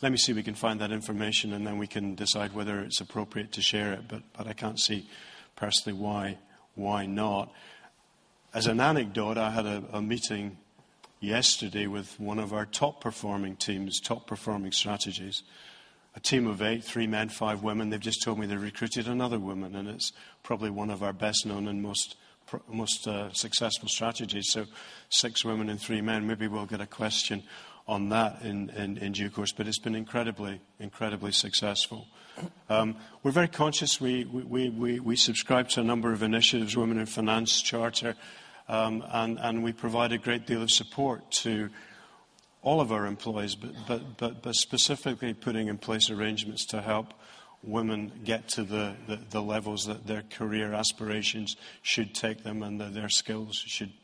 Let me see if we can find that information, and then we can decide whether it's appropriate to share it. I can't see personally why not. As an anecdote, I had a meeting yesterday with one of our top performing teams, top performing strategies. A team of eight, three men, five women. They've just told me they recruited another woman, and it's probably one of our best known and most successful strategies. Six women and three men. Maybe we'll get a question on that in due course. It's been incredibly successful. We're very conscious. We subscribe to a number of initiatives, Women in Finance Charter, and we provide a great deal of support to all of our employees, but specifically putting in place arrangements to help women get to the levels that their career aspirations should take them and that their skills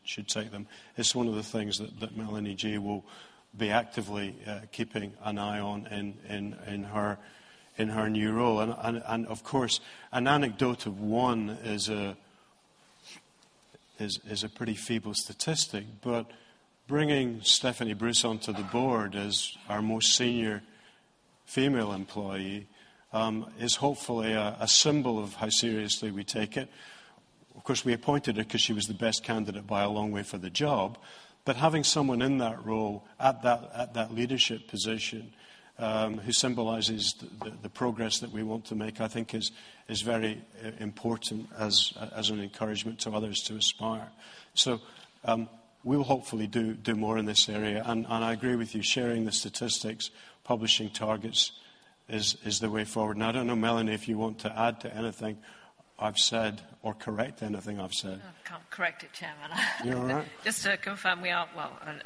should take them. It's one of the things that Melanie Gee will be actively keeping an eye on in her new role. Of course, an anecdote of one is a pretty feeble statistic. Bringing Stephanie Bruce onto the board as our most senior female employee is hopefully a symbol of how seriously we take it. Of course, we appointed her because she was the best candidate by a long way for the job. Having someone in that role at that leadership position who symbolizes the progress that we want to make, I think is very important as an encouragement to others to aspire. We'll hopefully do more in this area. I agree with you, sharing the statistics, publishing targets is the way forward. Now, I don't know, Melanie, if you want to add to anything I've said or correct anything I've said. No, can't correct it, Chairman. You all right? Just to confirm we are Well, and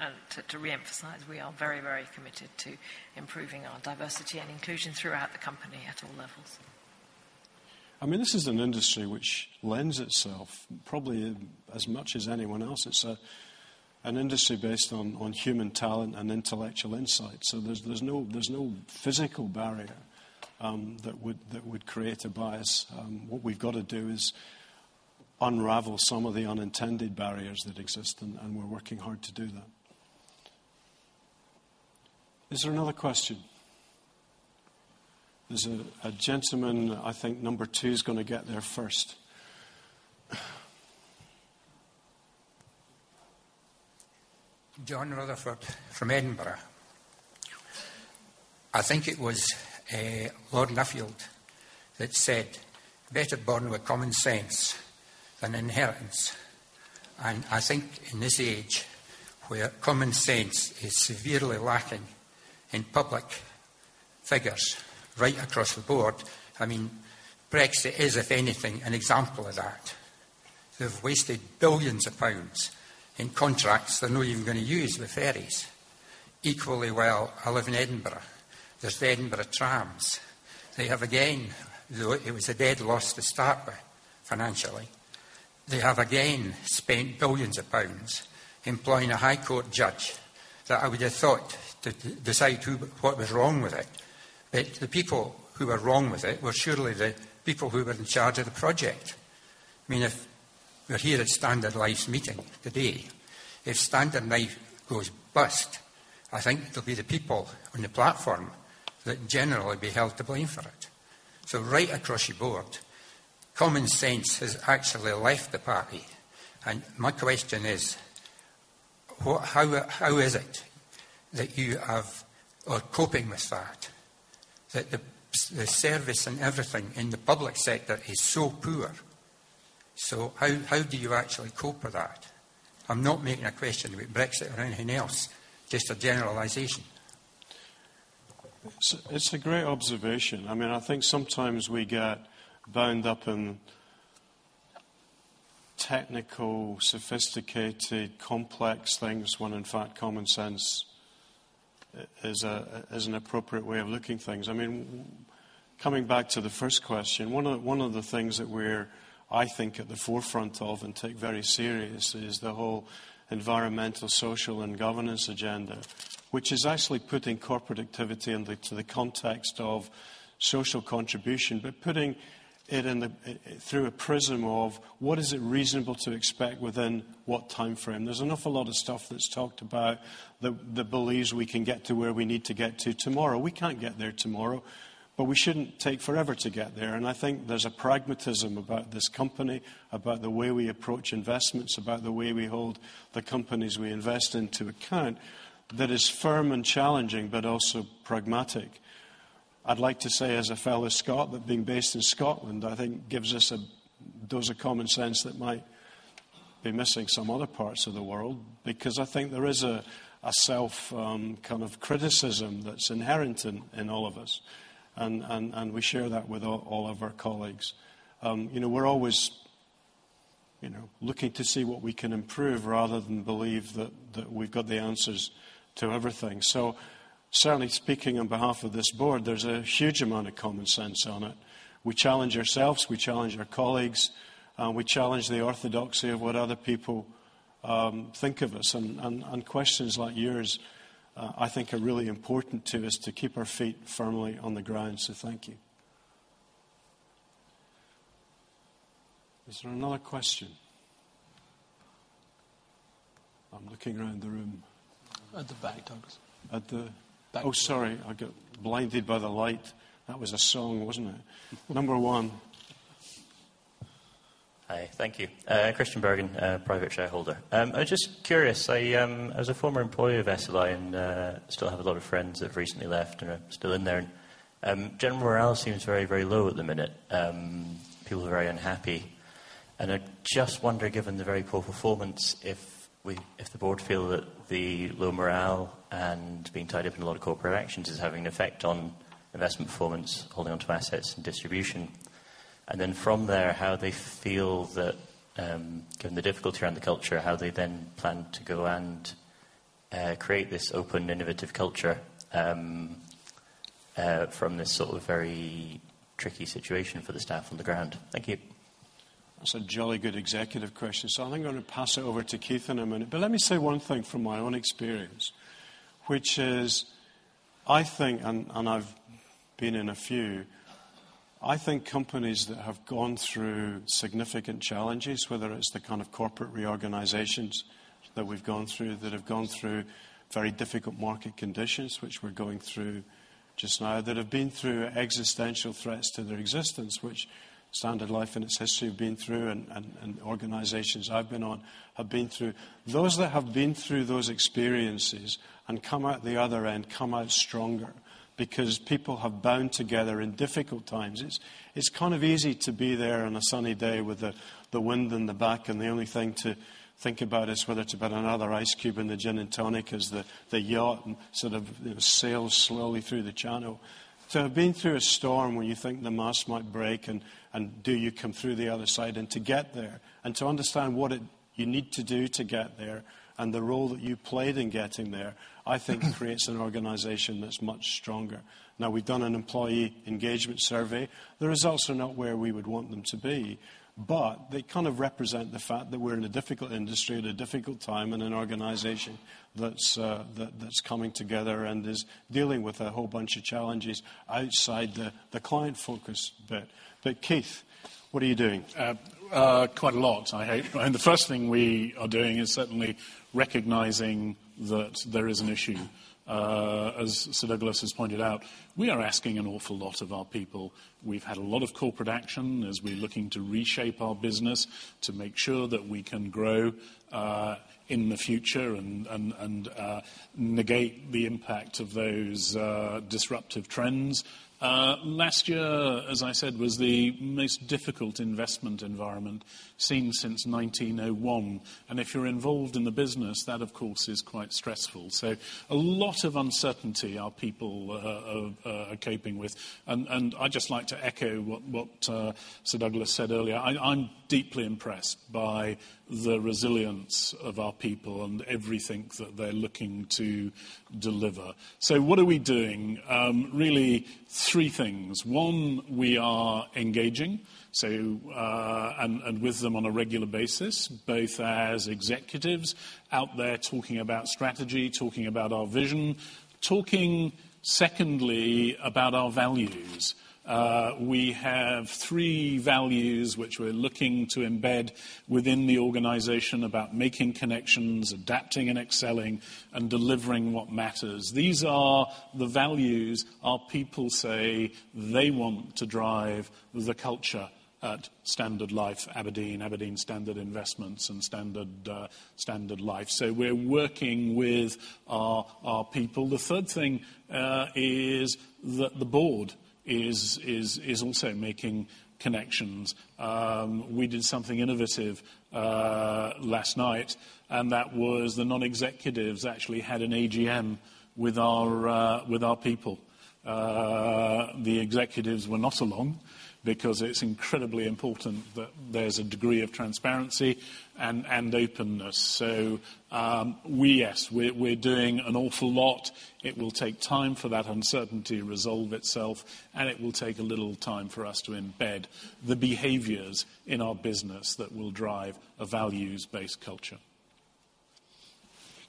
to reemphasize, we are very committed to improving our diversity and inclusion throughout the company at all levels. This is an industry which lends itself probably as much as anyone else. It's an industry based on human talent and intellectual insight. There's no physical barrier that would create a bias. What we've got to do is unravel some of the unintended barriers that exist, and we're working hard to do that. Is there another question? There's a gentleman, I think number 2's going to get there first. John Rutherford from Edinburgh. I think it was Lord Nuffield that said, "Better born with common sense than inheritance." I think in this age where common sense is severely lacking in public figures right across the board, Brexit is, if anything, an example of that. They've wasted billions of GBP in contracts they're not even going to use with ferries. Equally well, I live in Edinburgh. There's the Edinburgh trams. They have again, though it was a dead loss to start with financially, they have again spent billions of GBP employing a high court judge that I would have thought to decide what was wrong with it. The people who were wrong with it were surely the people who were in charge of the project. If we're here at Standard Life's meeting today, if Standard Life goes bust, I think it'll be the people on the platform that generally will be held to blame for it. Right across your board, common sense has actually left the party. My question is, how is it that you are coping with that? That the service and everything in the public sector is so poor. How do you actually cope with that? I'm not making a question about Brexit or anything else, just a generalization. It's a great observation. I think sometimes we get bound up in technical, sophisticated, complex things, when in fact common sense is an appropriate way of looking at things. Coming back to the first question, one of the things that we're, I think, at the forefront of and take very serious is the whole environmental, social, and governance agenda, which is actually putting corporate activity into the context of social contribution. Putting it through a prism of what is it reasonable to expect within what time frame. There's an awful lot of stuff that's talked about that believes we can get to where we need to get to tomorrow. We can't get there tomorrow. We shouldn't take forever to get there. I think there's a pragmatism about this company, about the way we approach investments, about the way we hold the companies we invest in to account that is firm and challenging, but also pragmatic. I'd like to say, as a fellow Scot, that being based in Scotland, I think, gives us a dose of common sense that might be missing some other parts of the world. Because I think there is a self kind of criticism that's inherent in all of us. We share that with all of our colleagues. We're always looking to see what we can improve rather than believe that we've got the answers to everything. Certainly speaking on behalf of this board, there's a huge amount of common sense on it. We challenge ourselves. We challenge our colleagues. We challenge the orthodoxy of what other people think of us. Questions like yours, I think, are really important to us to keep our feet firmly on the ground. Thank you. Is there another question? I'm looking around the room. At the back, Douglas. At the back. Oh, sorry, I got blinded by the light. That was a song, wasn't it? Number one. Hi. Thank you. Christian Bergen, private shareholder. I'm just curious. I was a former employee of SLI and still have a lot of friends that have recently left and are still in there. General morale seems very low at the minute. People are very unhappy. I just wonder, given the very poor performance, if the board feel that the low morale and being tied up in a lot of corporate actions is having an effect on investment performance, holding onto assets and distribution. Then from there, how they feel that, given the difficulty around the culture, how they then plan to go and create this open, innovative culture from this sort of very tricky situation for the staff on the ground. Thank you. That's a jolly good executive question. I think I'm going to pass it over to Keith in a minute. Let me say one thing from my own experience, which is, I think, and I've been in a few, I think companies that have gone through significant challenges, whether it's the kind of corporate reorganizations that we've gone through, that have gone through very difficult market conditions, which we're going through just now, that have been through existential threats to their existence, which Standard Life in its history have been through, and organizations I've been on have been through. Those that have been through those experiences and come out the other end, come out stronger because people have bound together in difficult times. It's kind of easy to be there on a sunny day with the wind in the back, the only thing to think about is whether to put another ice cube in the gin and tonic as the yacht sort of sails slowly through the channel. To have been through a storm when you think the mast might break, do you come through the other side, to get there, to understand what you need to do to get there, the role that you played in getting there, I think creates an organization that's much stronger. Now, we've done an employee engagement survey. The results are not where we would want them to be, they kind of represent the fact that we're in a difficult industry at a difficult time, and an organization that's coming together and is dealing with a whole bunch of challenges outside the client focus bit. Keith, what are you doing? Quite a lot. The first thing we are doing is certainly recognizing that there is an issue. As Sir Douglas has pointed out, we are asking an awful lot of our people. We've had a lot of corporate action as we're looking to reshape our business to make sure that we can grow, in the future and negate the impact of those disruptive trends. Last year, as I said, was the most difficult investment environment seen since 1901. If you're involved in the business, that, of course, is quite stressful. A lot of uncertainty our people are coping with. I'd just like to echo what Sir Douglas said earlier. I'm deeply impressed by the resilience of our people and everything that they're looking to deliver. What are we doing? Really, three things. One, we are engaging. With them on a regular basis, both as executives out there talking about strategy, talking about our vision. Talking, secondly, about our values. We have three values which we're looking to embed within the organization about making connections, adapting and excelling, and delivering what matters. These are the values our people say they want to drive the culture at Standard Life Aberdeen, Aberdeen Standard Investments, and Standard Life. We're working with our people. The third thing is that the board is also making connections. We did something innovative last night, and that was the non-executives actually had an AGM with our people. The executives were not along because it's incredibly important that there's a degree of transparency and openness. Yes, we're doing an awful lot. It will take time for that uncertainty to resolve itself, it will take a little time for us to embed the behaviors in our business that will drive a values-based culture.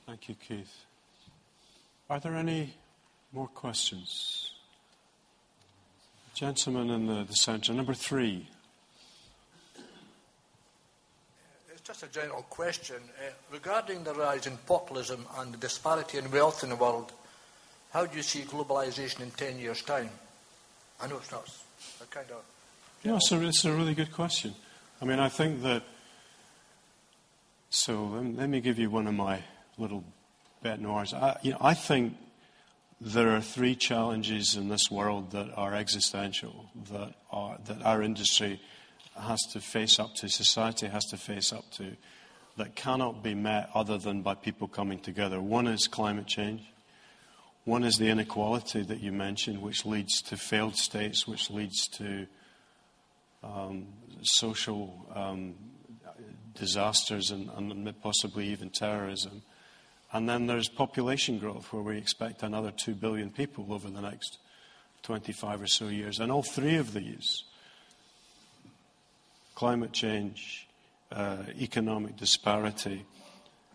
Thank you, Keith. Are there any more questions? Gentleman in the center, number 3. It's just a general question. Regarding the rise in populism and the disparity in wealth in the world, how do you see globalization in 10 years' time? Yeah, it's a really good question. Let me give you one of my little bêtes noires. I think there are three challenges in this world that are existential, that our industry has to face up to, society has to face up to, that cannot be met other than by people coming together. One is climate change. One is the inequality that you mentioned, which leads to failed states, which leads to social disasters and possibly even terrorism. Then there's population growth, where we expect another 2 billion people over the next 25 or so years. All three of these, climate change, economic disparity,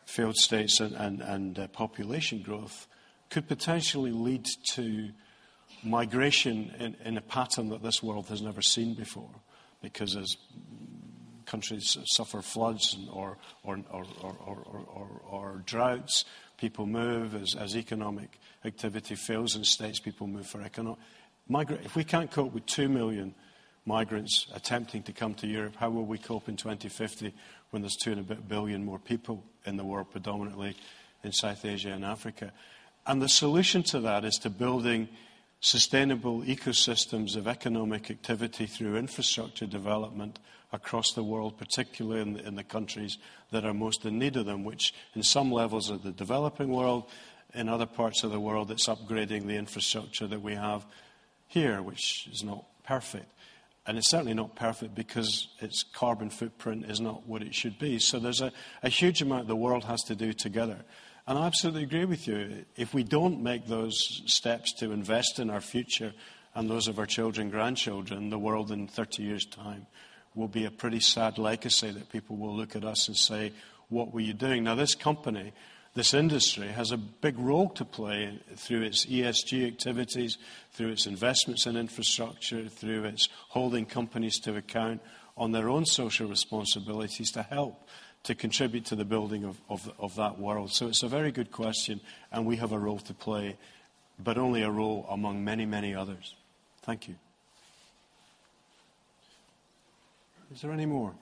failed states, and population growth, could potentially lead to migration in a pattern that this world has never seen before. As countries suffer floods or droughts, people move. As economic activity fails in states, people move for economic. If we can't cope with 2 million migrants attempting to come to Europe, how will we cope in 2050 when there's 2 and a bit billion more people in the world, predominantly in South Asia and Africa? The solution to that is to building sustainable ecosystems of economic activity through infrastructure development across the world, particularly in the countries that are most in need of them. Which, in some levels, are the developing world. In other parts of the world, it's upgrading the infrastructure that we have here, which is not perfect. It's certainly not perfect because its carbon footprint is not what it should be. There's a huge amount the world has to do together. I absolutely agree with you. If we don't make those steps to invest in our future and those of our children, grandchildren, the world in 30 years' time will be a pretty sad legacy that people will look at us and say, "What were you doing?" This company, this industry, has a big role to play through its ESG activities, through its investments in infrastructure, through its holding companies to account on their own social responsibilities to help to contribute to the building of that world. It's a very good question, and we have a role to play. But only a role among many, many others. Thank you. Is there any more?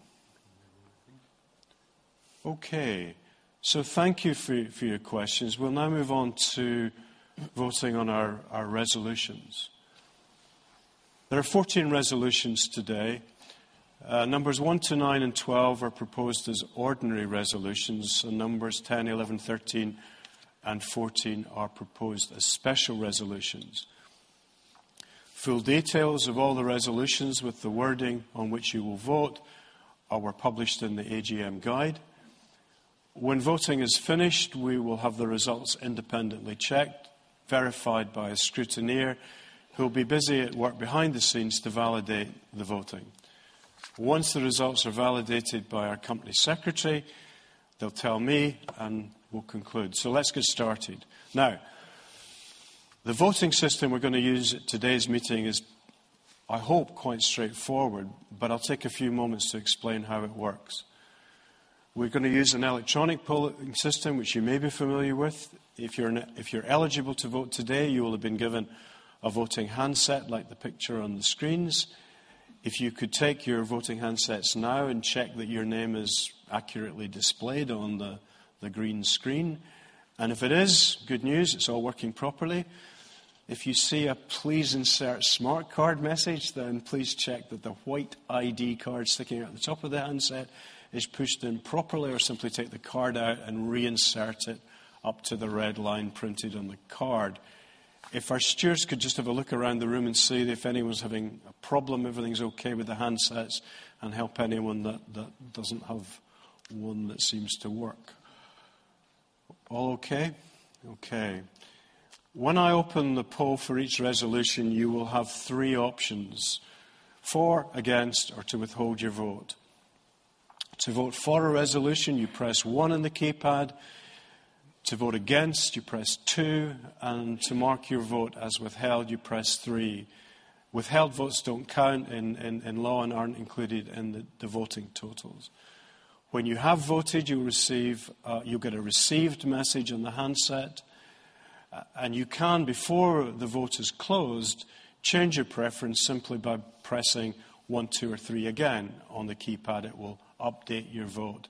Okay. Thank you for your questions. We'll now move on to voting on our resolutions. There are 14 resolutions today. Numbers one to nine and 12 are proposed as ordinary resolutions. Numbers 10, 11, 13, and 14 are proposed as special resolutions. Full details of all the resolutions with the wording on which you will vote were published in the AGM guide. When voting is finished, we will have the results independently checked, verified by a scrutineer, who'll be busy at work behind the scenes to validate the voting. Once the results are validated by our Company Secretary, they'll tell me, and we'll conclude. Let's get started. The voting system we're going to use at today's meeting is, I hope, quite straightforward, but I'll take a few moments to explain how it works. We're going to use an electronic polling system which you may be familiar with. If you're eligible to vote today, you will have been given a voting handset like the picture on the screens. If you could take your voting handsets now and check that your name is accurately displayed on the green screen. If it is, good news, it's all working properly. If you see a please insert smart card message, please check that the white ID card sticking out at the top of the handset is pushed in properly, or simply take the card out and reinsert it up to the red line printed on the card. If our stewards could just have a look around the room and see if anyone's having a problem, everything's okay with the handsets and help anyone that doesn't have one that seems to work. All okay? Okay. When I open the poll for each resolution, you will have three options, for, against, or to withhold your vote. To vote for a resolution, you press one on the keypad. To vote against, you press two. To mark your vote as withheld, you press three. Withheld votes don't count in law and aren't included in the voting totals. When you have voted, you get a received message on the handset. You can, before the vote is closed, change your preference simply by pressing one, two, or three again on the keypad. It will update your vote.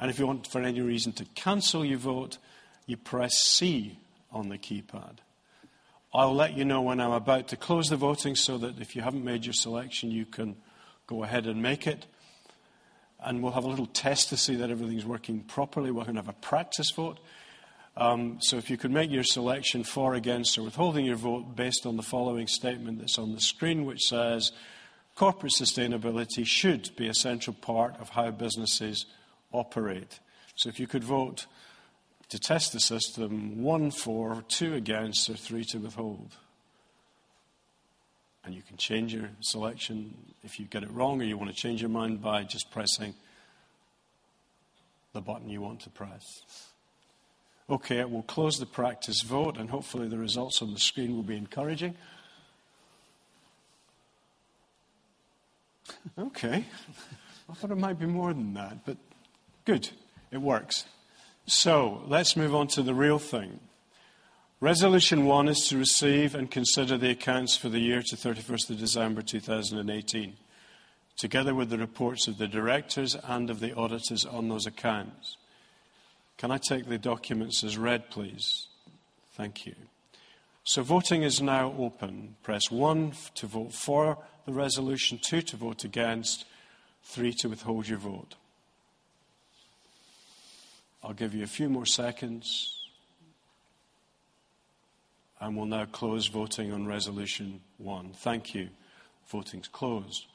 If you want, for any reason, to cancel your vote, you press C on the keypad. I'll let you know when I'm about to close the voting so that if you haven't made your selection, you can go ahead and make it. We'll have a little test to see that everything's working properly. We're going to have a practice vote. If you could make your selection for, against, or withholding your vote based on the following statement that is on the screen, which says, "Corporate sustainability should be a central part of how businesses operate." If you could vote to test the system, 1 for, 2 against, or 3 to withhold. You can change your selection if you get it wrong or you want to change your mind by just pressing the button you want to press. I will close the practice vote, and hopefully the results on the screen will be encouraging. I thought it might be more than that, but good. It works. Let's move on to the real thing. Resolution 1 is to receive and consider the accounts for the year to 31st of December 2018, together with the reports of the directors and of the auditors on those accounts. Can I take the documents as read, please? Thank you. Voting is now open. Press 1 to vote for the resolution, 2 to vote against, 3 to withhold your vote. I will give you a few more seconds. We will now close voting on Resolution 1. Thank you. Voting is closed.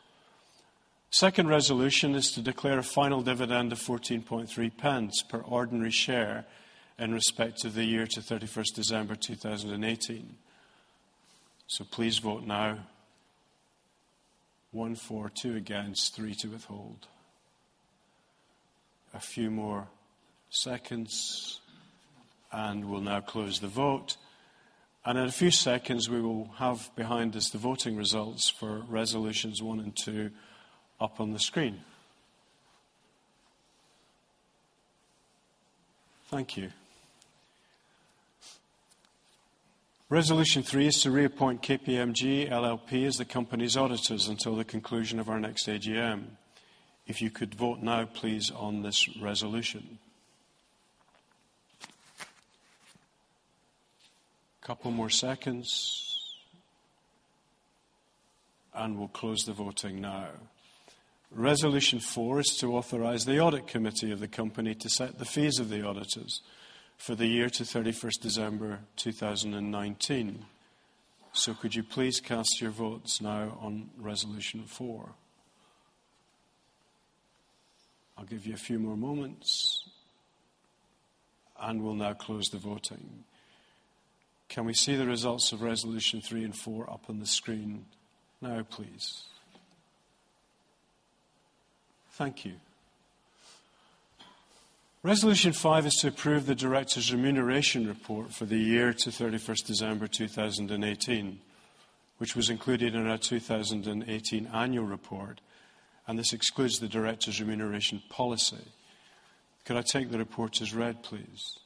Second Resolution is to declare a final dividend of 0.143 per ordinary share in respect of the year to 31st December 2018. Please vote now. 1 for, 2 against, 3 to withhold. A few more seconds, and we will now close the vote. In a few seconds, we will have behind us the voting results for Resolutions 1 and 2 up on the screen. Thank you. Resolution 3 is to reappoint KPMG LLP as the company's auditors until the conclusion of our next AGM. If you could vote now, please, on this resolution. Couple more seconds, and we will close the voting now. Resolution 4 is to authorize the Audit Committee of the company to set the fees of the auditors for the year to 31st December 2019. Could you please cast your votes now on Resolution 4? I will give you a few more moments. We will now close the voting. Can we see the results of Resolutions 3 and 4 up on the screen now, please? Thank you. Resolution 5 is to approve the directors' remuneration report for the year to 31st December 2018, which was included in our 2018 annual report, and this excludes the directors' remuneration policy. Could I take the report as read, please?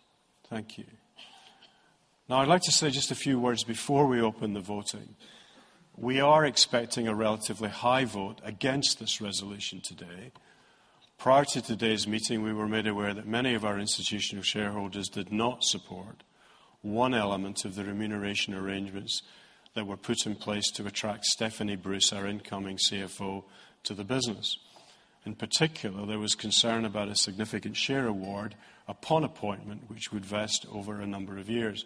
Thank you. I would like to say just a few words before we open the voting. We are expecting a relatively high vote against this resolution today. Prior to today's meeting, we were made aware that many of our institutional shareholders did not support one element of the remuneration arrangements that were put in place to attract Stephanie Bruce, our incoming CFO, to the business. In particular, there was concern about a significant share award upon appointment, which would vest over a number of years.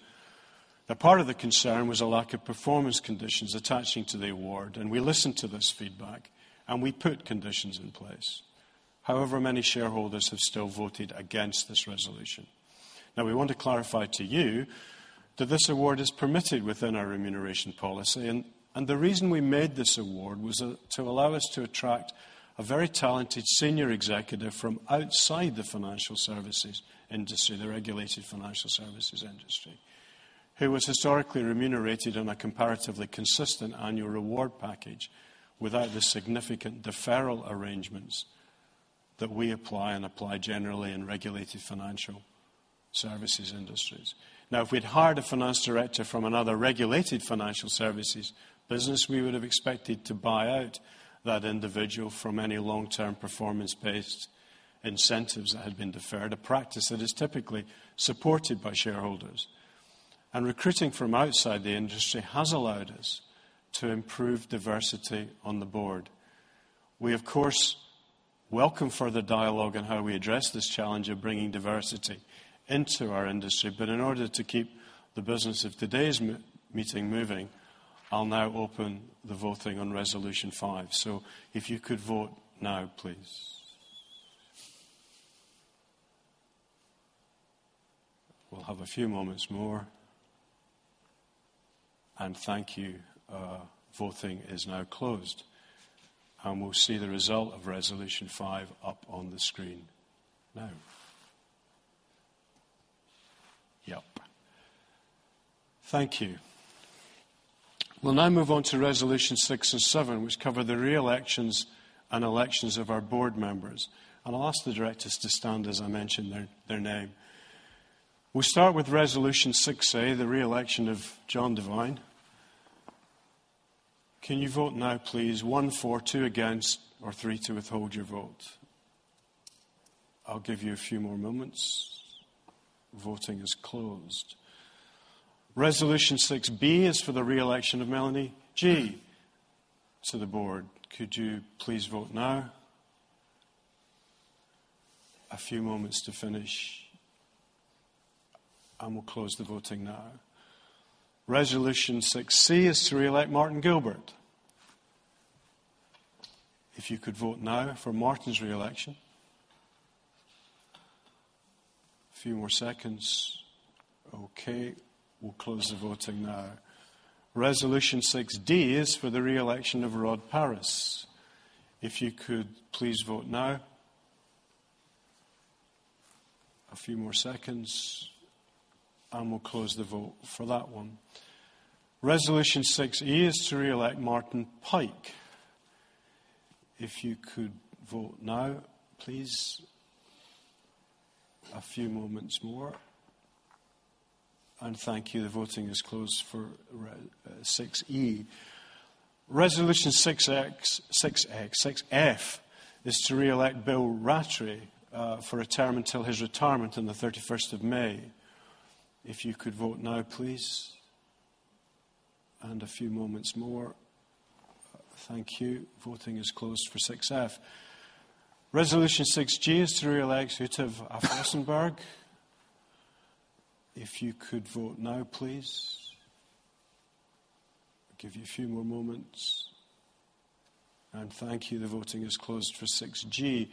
Part of the concern was a lack of performance conditions attaching to the award, and we listened to this feedback and we put conditions in place. However, many shareholders have still voted against this resolution. We want to clarify to you that this award is permitted within our remuneration policy. The reason we made this award was to allow us to attract a very talented senior executive from outside the regulated financial services industry, who was historically remunerated on a comparatively consistent annual reward package without the significant deferral arrangements that we apply and apply generally in regulated financial services industries. If we'd hired a finance director from another regulated financial services business, we would have expected to buy out that individual from any long-term performance-based incentives that had been deferred, a practice that is typically supported by shareholders. Recruiting from outside the industry has allowed us to improve diversity on the board. We of course welcome further dialogue on how we address this challenge of bringing diversity into our industry. In order to keep the business of today's meeting moving, I will now open the voting on resolution 5. If you could vote now, please. We will have a few moments more. Thank you. Voting is now closed. We will see the result of resolution 5 up on the screen now. Thank you. We will now move on to resolution 6 and 7, which cover the re-elections and elections of our board members. I will ask the directors to stand as I mention their name. We start with resolution 6A, the re-election of John Devine. Can you vote now, please? One for, two against, or three to withhold your vote. I will give you a few more moments. Voting is closed. Resolution 6B is for the re-election of Melanie Gee to the board. Could you please vote now? A few moments to finish. We will close the voting now. Resolution 6C is to re-elect Martin Gilbert. If you could vote now for Martin's re-election. A few more seconds. We will close the voting now. Resolution 6D is for the re-election of Rod Paris. If you could please vote now. A few more seconds, we will close the vote for that one. Resolution 6E is to re-elect Martin Pike. If you could vote now, please. A few moments more. Thank you. The voting is closed for 6E. Resolution 6F is to re-elect Bill Rattray for a term until his retirement on the 31st of May. If you could vote now, please. A few moments more. Thank you. Voting is closed for 6F. Resolution 6G is to re-elect Jutta af Rosenborg. If you could vote now, please. Give you a few more moments. Thank you. The voting is closed for 6G.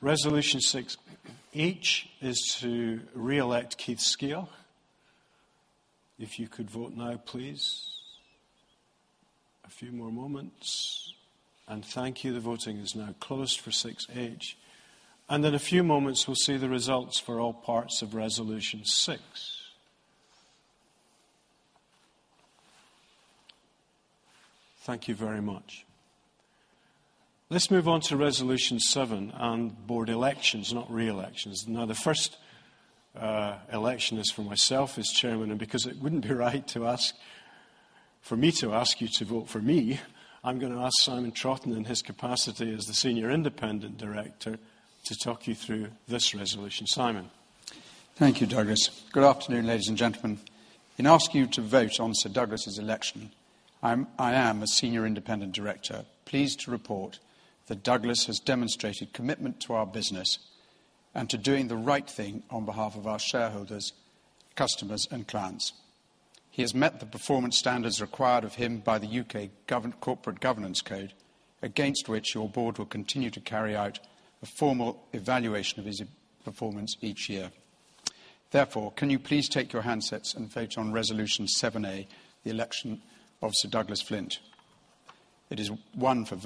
Resolution 6H is to re-elect Keith Skeoch. If you could vote now, please. A few more moments. Thank you. The voting is now closed for 6H. In a few moments, we will see the results for all parts of resolution 6. Thank you very much. Let's move on to resolution 7 on board elections, not re-elections. The first election is for myself as Chairman. Because it wouldn't be right for me to ask you to vote for me, I am going to ask Simon Troughton in his capacity as the Senior Independent Director to talk you through this resolution. Simon. Thank you, Douglas. Good afternoon, ladies and gentlemen. In asking you to vote on Sir Douglas' election, I am, as senior independent director, pleased to report that Douglas has demonstrated commitment to our business and to doing the right thing on behalf of our shareholders, customers, and clients. He has met the performance standards required of him by the U.K. Corporate Governance Code, against which your board will continue to carry out a formal evaluation of his performance each year. Can you please take your handsets and vote on Resolution 7A, the election of Sir Douglas Flint. It is one to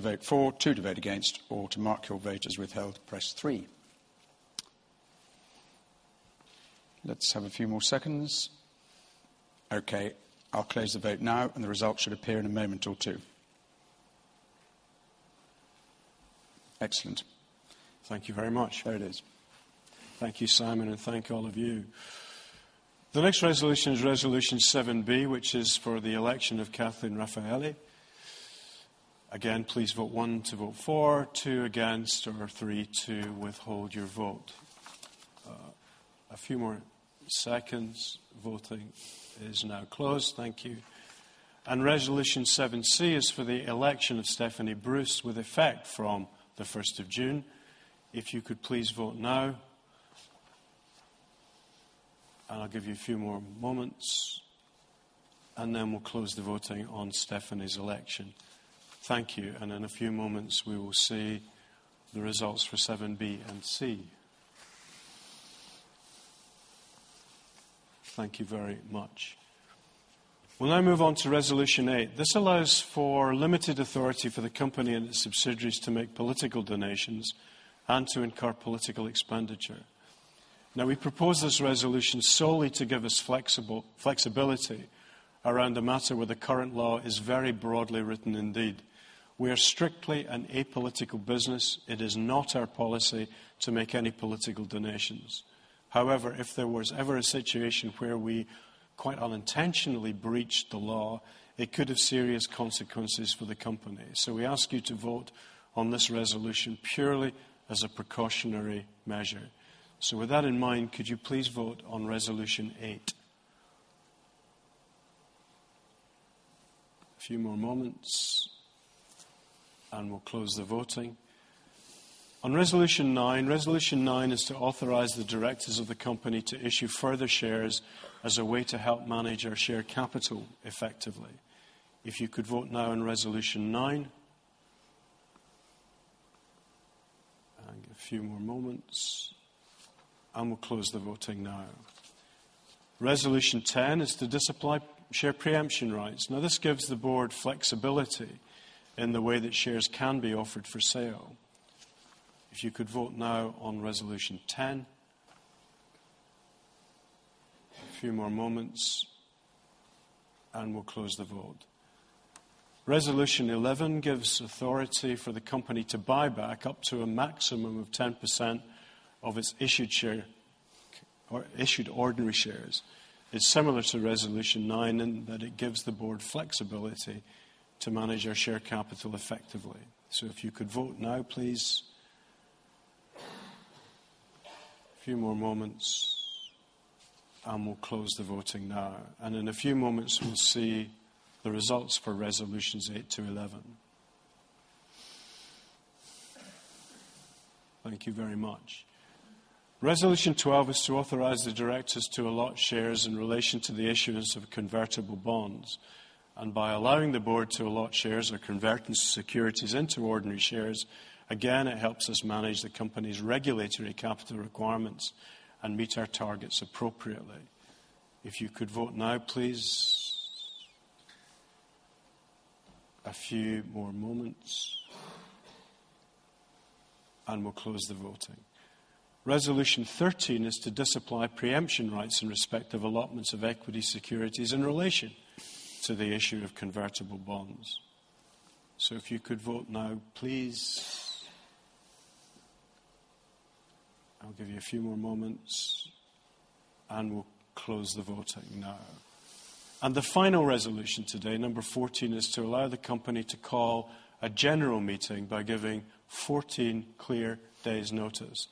vote for, two to vote against, or to mark your vote as withheld, press three. Let's have a few more seconds. I'll close the vote now, and the results should appear in a moment or two. Excellent. Thank you very much. There it is. Thank you, Simon, and thank all of you. The next resolution is Resolution 7B, which is for the election of Cathleen Raffaeli. Again, please vote one to vote for, two against, or three to withhold your vote. A few more seconds. Voting is now closed. Thank you. Resolution 7C is for the election of Stephanie Bruce with effect from the 1st of June. If you could please vote now. I'll give you a few more moments, and then we'll close the voting on Stephanie's election. Thank you. In a few moments, we will see the results for 7B and C. Thank you very much. We'll now move on to Resolution 8. This allows for limited authority for the company and its subsidiaries to make political donations and to incur political expenditure. We propose this resolution solely to give us flexibility around a matter where the current law is very broadly written indeed. We are strictly an apolitical business. It is not our policy to make any political donations. However, if there was ever a situation where we quite unintentionally breached the law, it could have serious consequences for the company. We ask you to vote on this resolution purely as a precautionary measure. With that in mind, could you please vote on Resolution 8. A few more moments and we'll close the voting. Resolution 9 is to authorize the directors of the company to issue further shares as a way to help manage our share capital effectively. If you could vote now on Resolution 9. I'll give a few more moments, and we'll close the voting now. Resolution 10 is to disapply share pre-emption rights. This gives the board flexibility in the way that shares can be offered for sale. If you could vote now on Resolution 10. A few more moments, and we'll close the vote. Resolution 11 gives authority for the company to buy back up to a maximum of 10% of its issued ordinary shares. It's similar to Resolution 9 in that it gives the board flexibility to manage our share capital effectively. If you could vote now, please. A few more moments, and we'll close the voting now. In a few moments, we'll see the results for Resolutions 8 to 11. Thank you very much. Resolution 12 is to authorize the directors to allot shares in relation to the issuance of convertible bonds. By allowing the board to allot shares or convert securities into ordinary shares, again, it helps us manage the company's regulatory capital requirements and meet our targets appropriately. If you could vote now, please. A few more moments, and we'll close the voting. Resolution 13 is to disapply pre-emption rights in respect of allotments of equity securities in relation to the issue of convertible bonds. If you could vote now, please. I'll give you a few more moments, and we'll close the voting now. The final resolution today, number 14, is to allow the company to call a general meeting by giving 14 clear days' notice.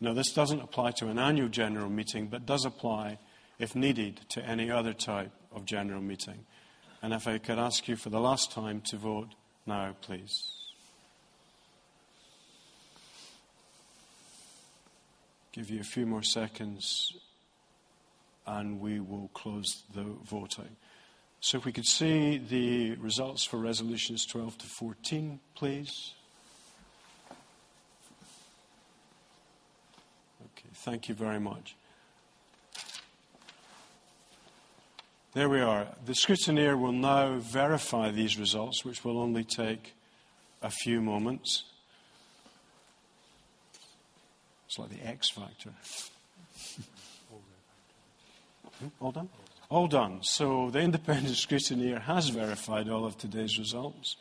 This doesn't apply to an annual general meeting, but does apply, if needed, to any other type of general meeting. If I could ask you for the last time to vote now, please. Give you a few more seconds, and we will close the voting. If we could see the results for Resolutions 12 to 14, please. Okay, thank you very much. There we are. The scrutineer will now verify these results, which will only take a few moments. It's like the X Factor. All done? All done. The independent scrutineer has verified all of today's results.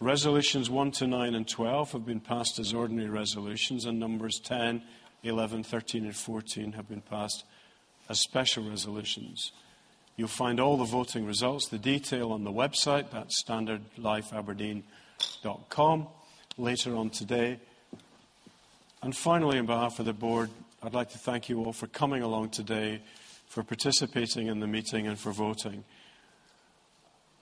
Resolutions 1 to 9 and 12 have been passed as ordinary resolutions, and numbers 10, 11, 13, and 14 have been passed as special resolutions. You'll find all the voting results, the detail on the website, that's standardlifeaberdeen.com, later on today. Finally, on behalf of the board, I'd like to thank you all for coming along today, for participating in the meeting, and for voting.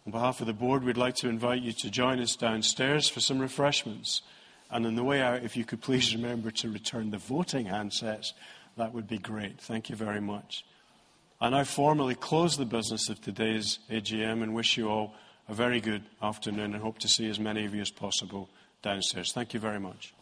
On behalf of the board, we'd like to invite you to join us downstairs for some refreshments. On the way out, if you could please remember to return the voting handsets, that would be great. Thank you very much. I formally close the business of today's AGM and wish you all a very good afternoon and hope to see as many of you as possible downstairs. Thank you very much.